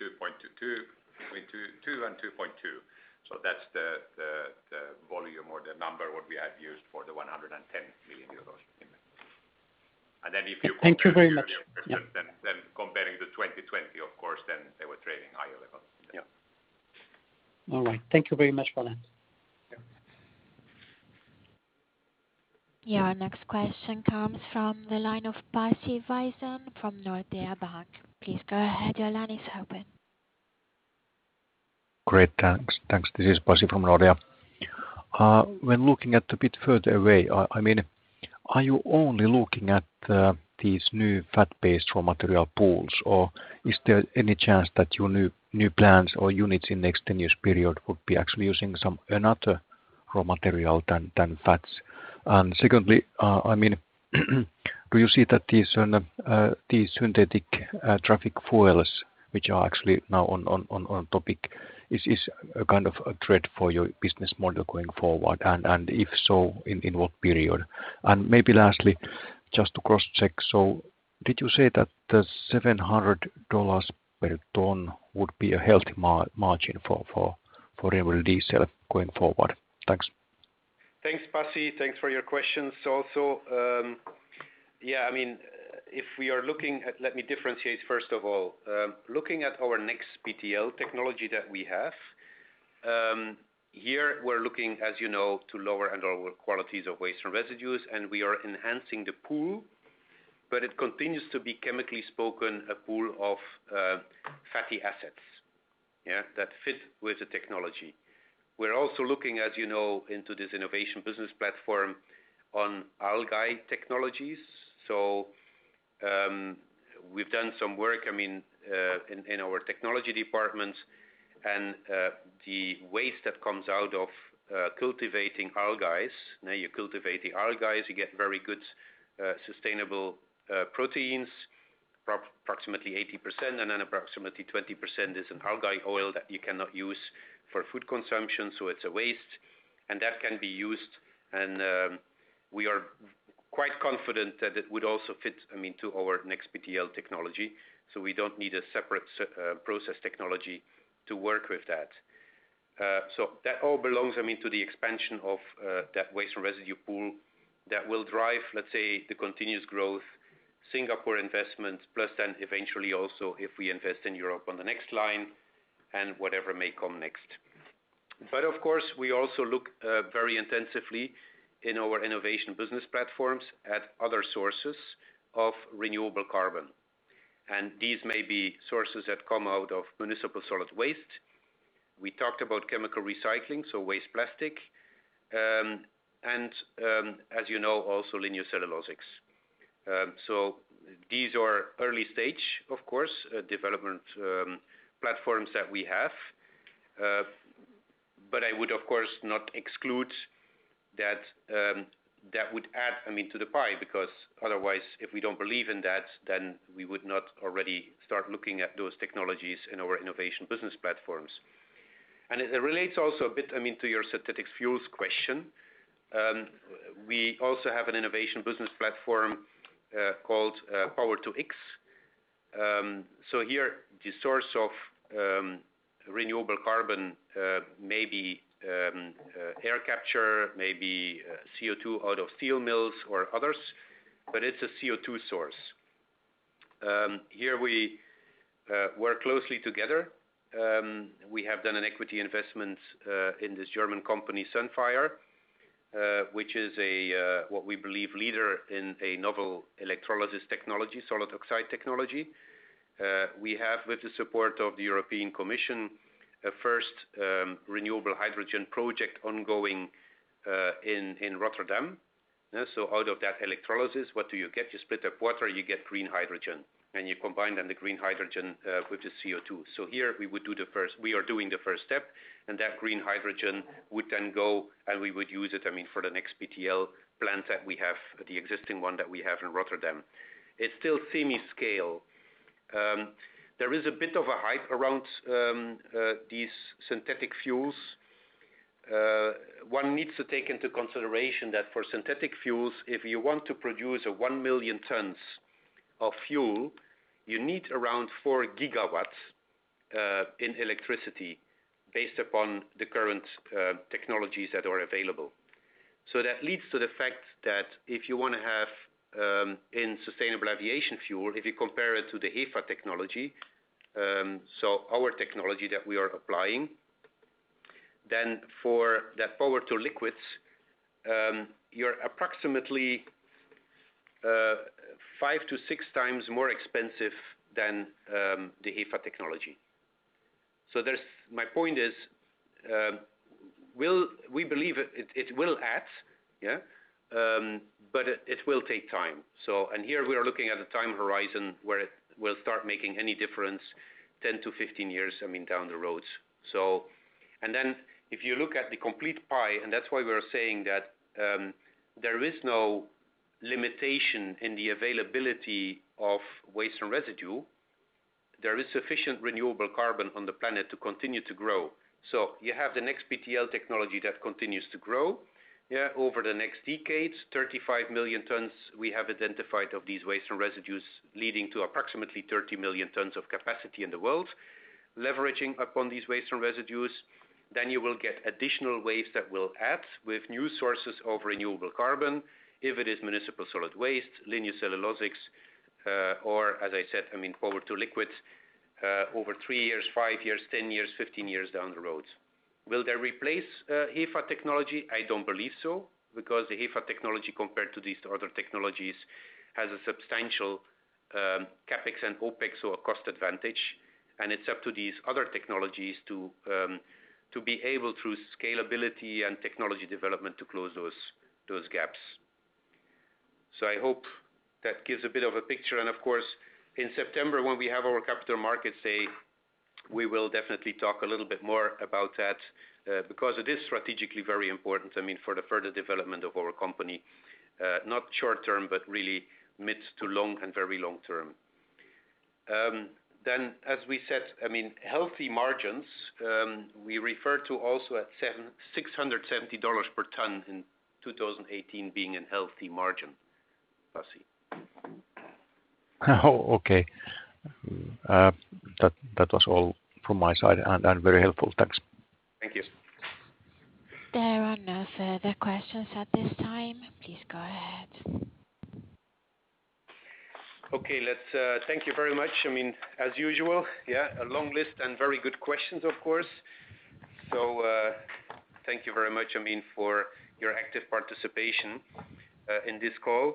$2.22, between $2 and $2.2. That's the volume or the number what we have used for the 110 million euros. Thank you very much. Comparing to 2020, of course, then they were trading higher levels. Yeah. All right. Thank you very much, fellas. Yeah. Your next question comes from the line of Pasi Väisänen from Nordea Bank. Please go ahead. Your line is open. Great. Thanks. This is Pasi from Nordea. When looking at a bit further away, are you only looking at these new fat-based raw material pools, or is there any chance that your new plants or units in next 10 years period would be actually using some another raw material than fats? Secondly, do you see that these synthetic traffic fuels, which are actually now on topic, is a kind of a threat for your business model going forward? If so, in what period? Maybe lastly, just to cross-check, did you say that the $700 per ton would be a healthy margin for renewable diesel going forward? Thanks. Thanks, Pasi. Thanks for your questions also. Let me differentiate, first of all, looking at our NEXBTL technology that we have. Here we're looking, as you know, to lower and lower qualities of waste and residues, and we are enhancing the pool. It continues to be, chemically spoken, a pool of fatty acids that fit with the technology. We're also looking, as you know, into this innovation business platform on algae technologies. We've done some work in our technology departments and the waste that comes out of cultivating algae. You're cultivating algae, you get very good sustainable proteins, approximately 80%, and then approximately 20% is an algae oil that you cannot use for food consumption, so it's a waste. That can be used, and we are quite confident that it would also fit into our NEXBTL technology. We don't need a separate process technology to work with that. That all belongs to the expansion of that waste and residue pool that will drive, let's say, the continuous growth, Singapore investments, and eventually also if we invest in Europe on the next line and whatever may come next. Of course, we also look very intensively in our innovation business platforms at other sources of renewable carbon. These may be sources that come out of municipal solid waste. We talked about chemical recycling, so waste plastic, and as you know, also lignocellulosics. These are early stage, of course, development platforms that we have. I would, of course, not exclude that would add to the pie. Otherwise, if we don't believe in that, we would not already start looking at those technologies in our innovation business platforms. It relates also a bit to your synthetic fuels question. We also have an innovation business platform called Power-to-X. Here the source of renewable carbon may be air capture, may be CO2 out of fuel mills or others, but it's a CO2 source. Here we work closely together. We have done an equity investment in this German company, Sunfire, which is what we believe leader in a novel electrolysis technology, solid oxide technology. We have, with the support of the European Commission, a first renewable hydrogen project ongoing in Rotterdam. Out of that electrolysis, what do you get? You split up water, you get green hydrogen, and you combine then the green hydrogen, with the CO2. Here we are doing the first step, and that green hydrogen would then go and we would use it for the NEXBTL plant that we have, the existing one that we have in Rotterdam. It's still semi-scale. There is a bit of a hype around these synthetic fuels. One needs to take into consideration that for synthetic fuels, if you want to produce one million tons of fuel, you need around 4 GW in electricity based upon the current technologies that are available. That leads to the fact that if you want to have in sustainable aviation fuel, if you compare it to the HEFA technology, so our technology that we are applying, then for that power-to-liquids, you're approximately 5x-6x times more expensive than the HEFA technology. My point is, we believe it will add. It will take time. Here we are looking at a time horizon where it will start making any difference 10-15 years down the road. Then if you look at the complete pie, and that's why we are saying that there is no limitation in the availability of waste and residue. There is sufficient renewable carbon on the planet to continue to grow. You have the NEXBTL technology that continues to grow over the next decades. 35 million tons we have identified of these waste and residues leading to approximately 30 million tons of capacity in the world, leveraging upon these waste and residues. Then you will get additional waste that will add with new sources of renewable carbon. If it is municipal solid waste, lignocellulosics, or as I said, power-to-liquids, over three years, five years, 10 years, 15 years down the road. Will they replace HEFA technology? I don't believe so, because the HEFA technology, compared to these other technologies, has a substantial CapEx and OpEx, a cost advantage. It's up to these other technologies to be able, through scalability and technology development, to close those gaps. I hope that gives a bit of a picture. Of course, in September when we have our capital markets day, we will definitely talk a little bit more about that. Because it is strategically very important, for the further development of our company. Not short term, but really mid to long and very long term. As we said, healthy margins, we refer to also at $670 per ton in 2018 being a healthy margin. Pasi. Oh, okay. That was all from my side, and very helpful. Thanks. Thank you. There are no further questions at this time. Please go ahead. Okay. Thank you very much. As usual, a long list and very good questions, of course. Thank you very much, [Amin], for your active participation in this call.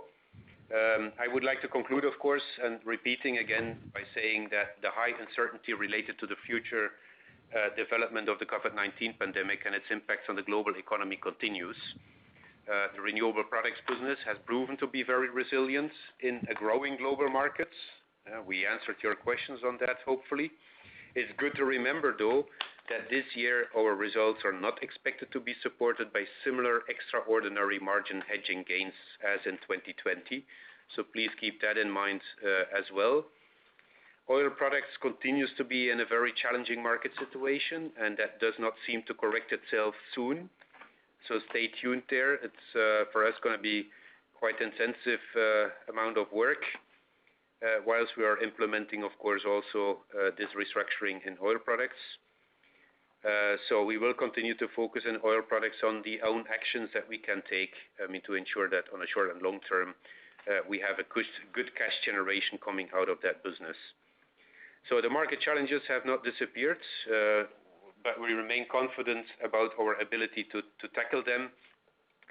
I would like to conclude, of course, and repeating again by saying that the high uncertainty related to the future development of the COVID-19 pandemic and its impact on the global economy continues. The Renewable Products business has proven to be very resilient in growing global markets. We answered your questions on that, hopefully. It's good to remember, though, that this year our results are not expected to be supported by similar extraordinary margin hedging gains as in 2020. Please keep that in mind as well. Oil Products continues to be in a very challenging market situation, and that does not seem to correct itself soon. Stay tuned there. It's, for us, going to be quite intensive amount of work, whilst we are implementing, of course, also this restructuring in Oil Products. We will continue to focus on Oil Products on the own actions that we can take, to ensure that on a short and long term, we have a good cash generation coming out of that business. The market challenges have not disappeared, but we remain confident about our ability to tackle them.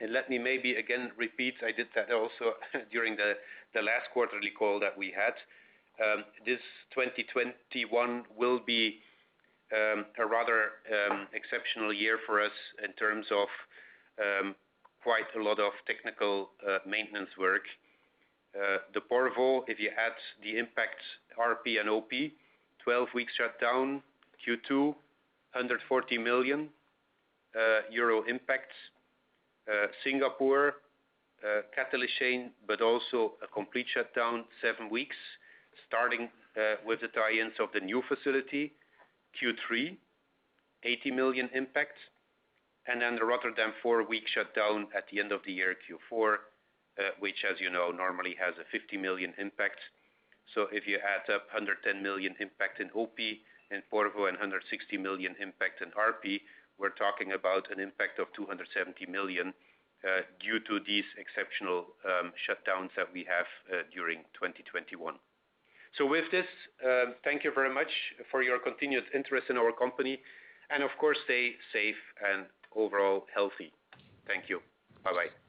Let me maybe again repeat, I did that also during the last quarterly call that we had. This 2021 will be a rather exceptional year for us in terms of quite a lot of technical maintenance work. The Porvoo, if you add the impact RP and OP, 12 weeks shut down Q2, 140 million euro impacts. Singapore, catalyst change, a complete shutdown, seven weeks, starting with the tie-ins of the new facility, Q3, 80 million impacts. The Rotterdam four-week shutdown at the end of the year, Q4, which, as you know, normally has a 50 million impact. If you add up 110 million impact in OP in Porvoo and 160 million impact in RP, we're talking about an impact of 270 million, due to these exceptional shutdowns that we have during 2021. With this, thank you very much for your continuous interest in our company, and of course, stay safe and overall healthy. Thank you. Bye-bye.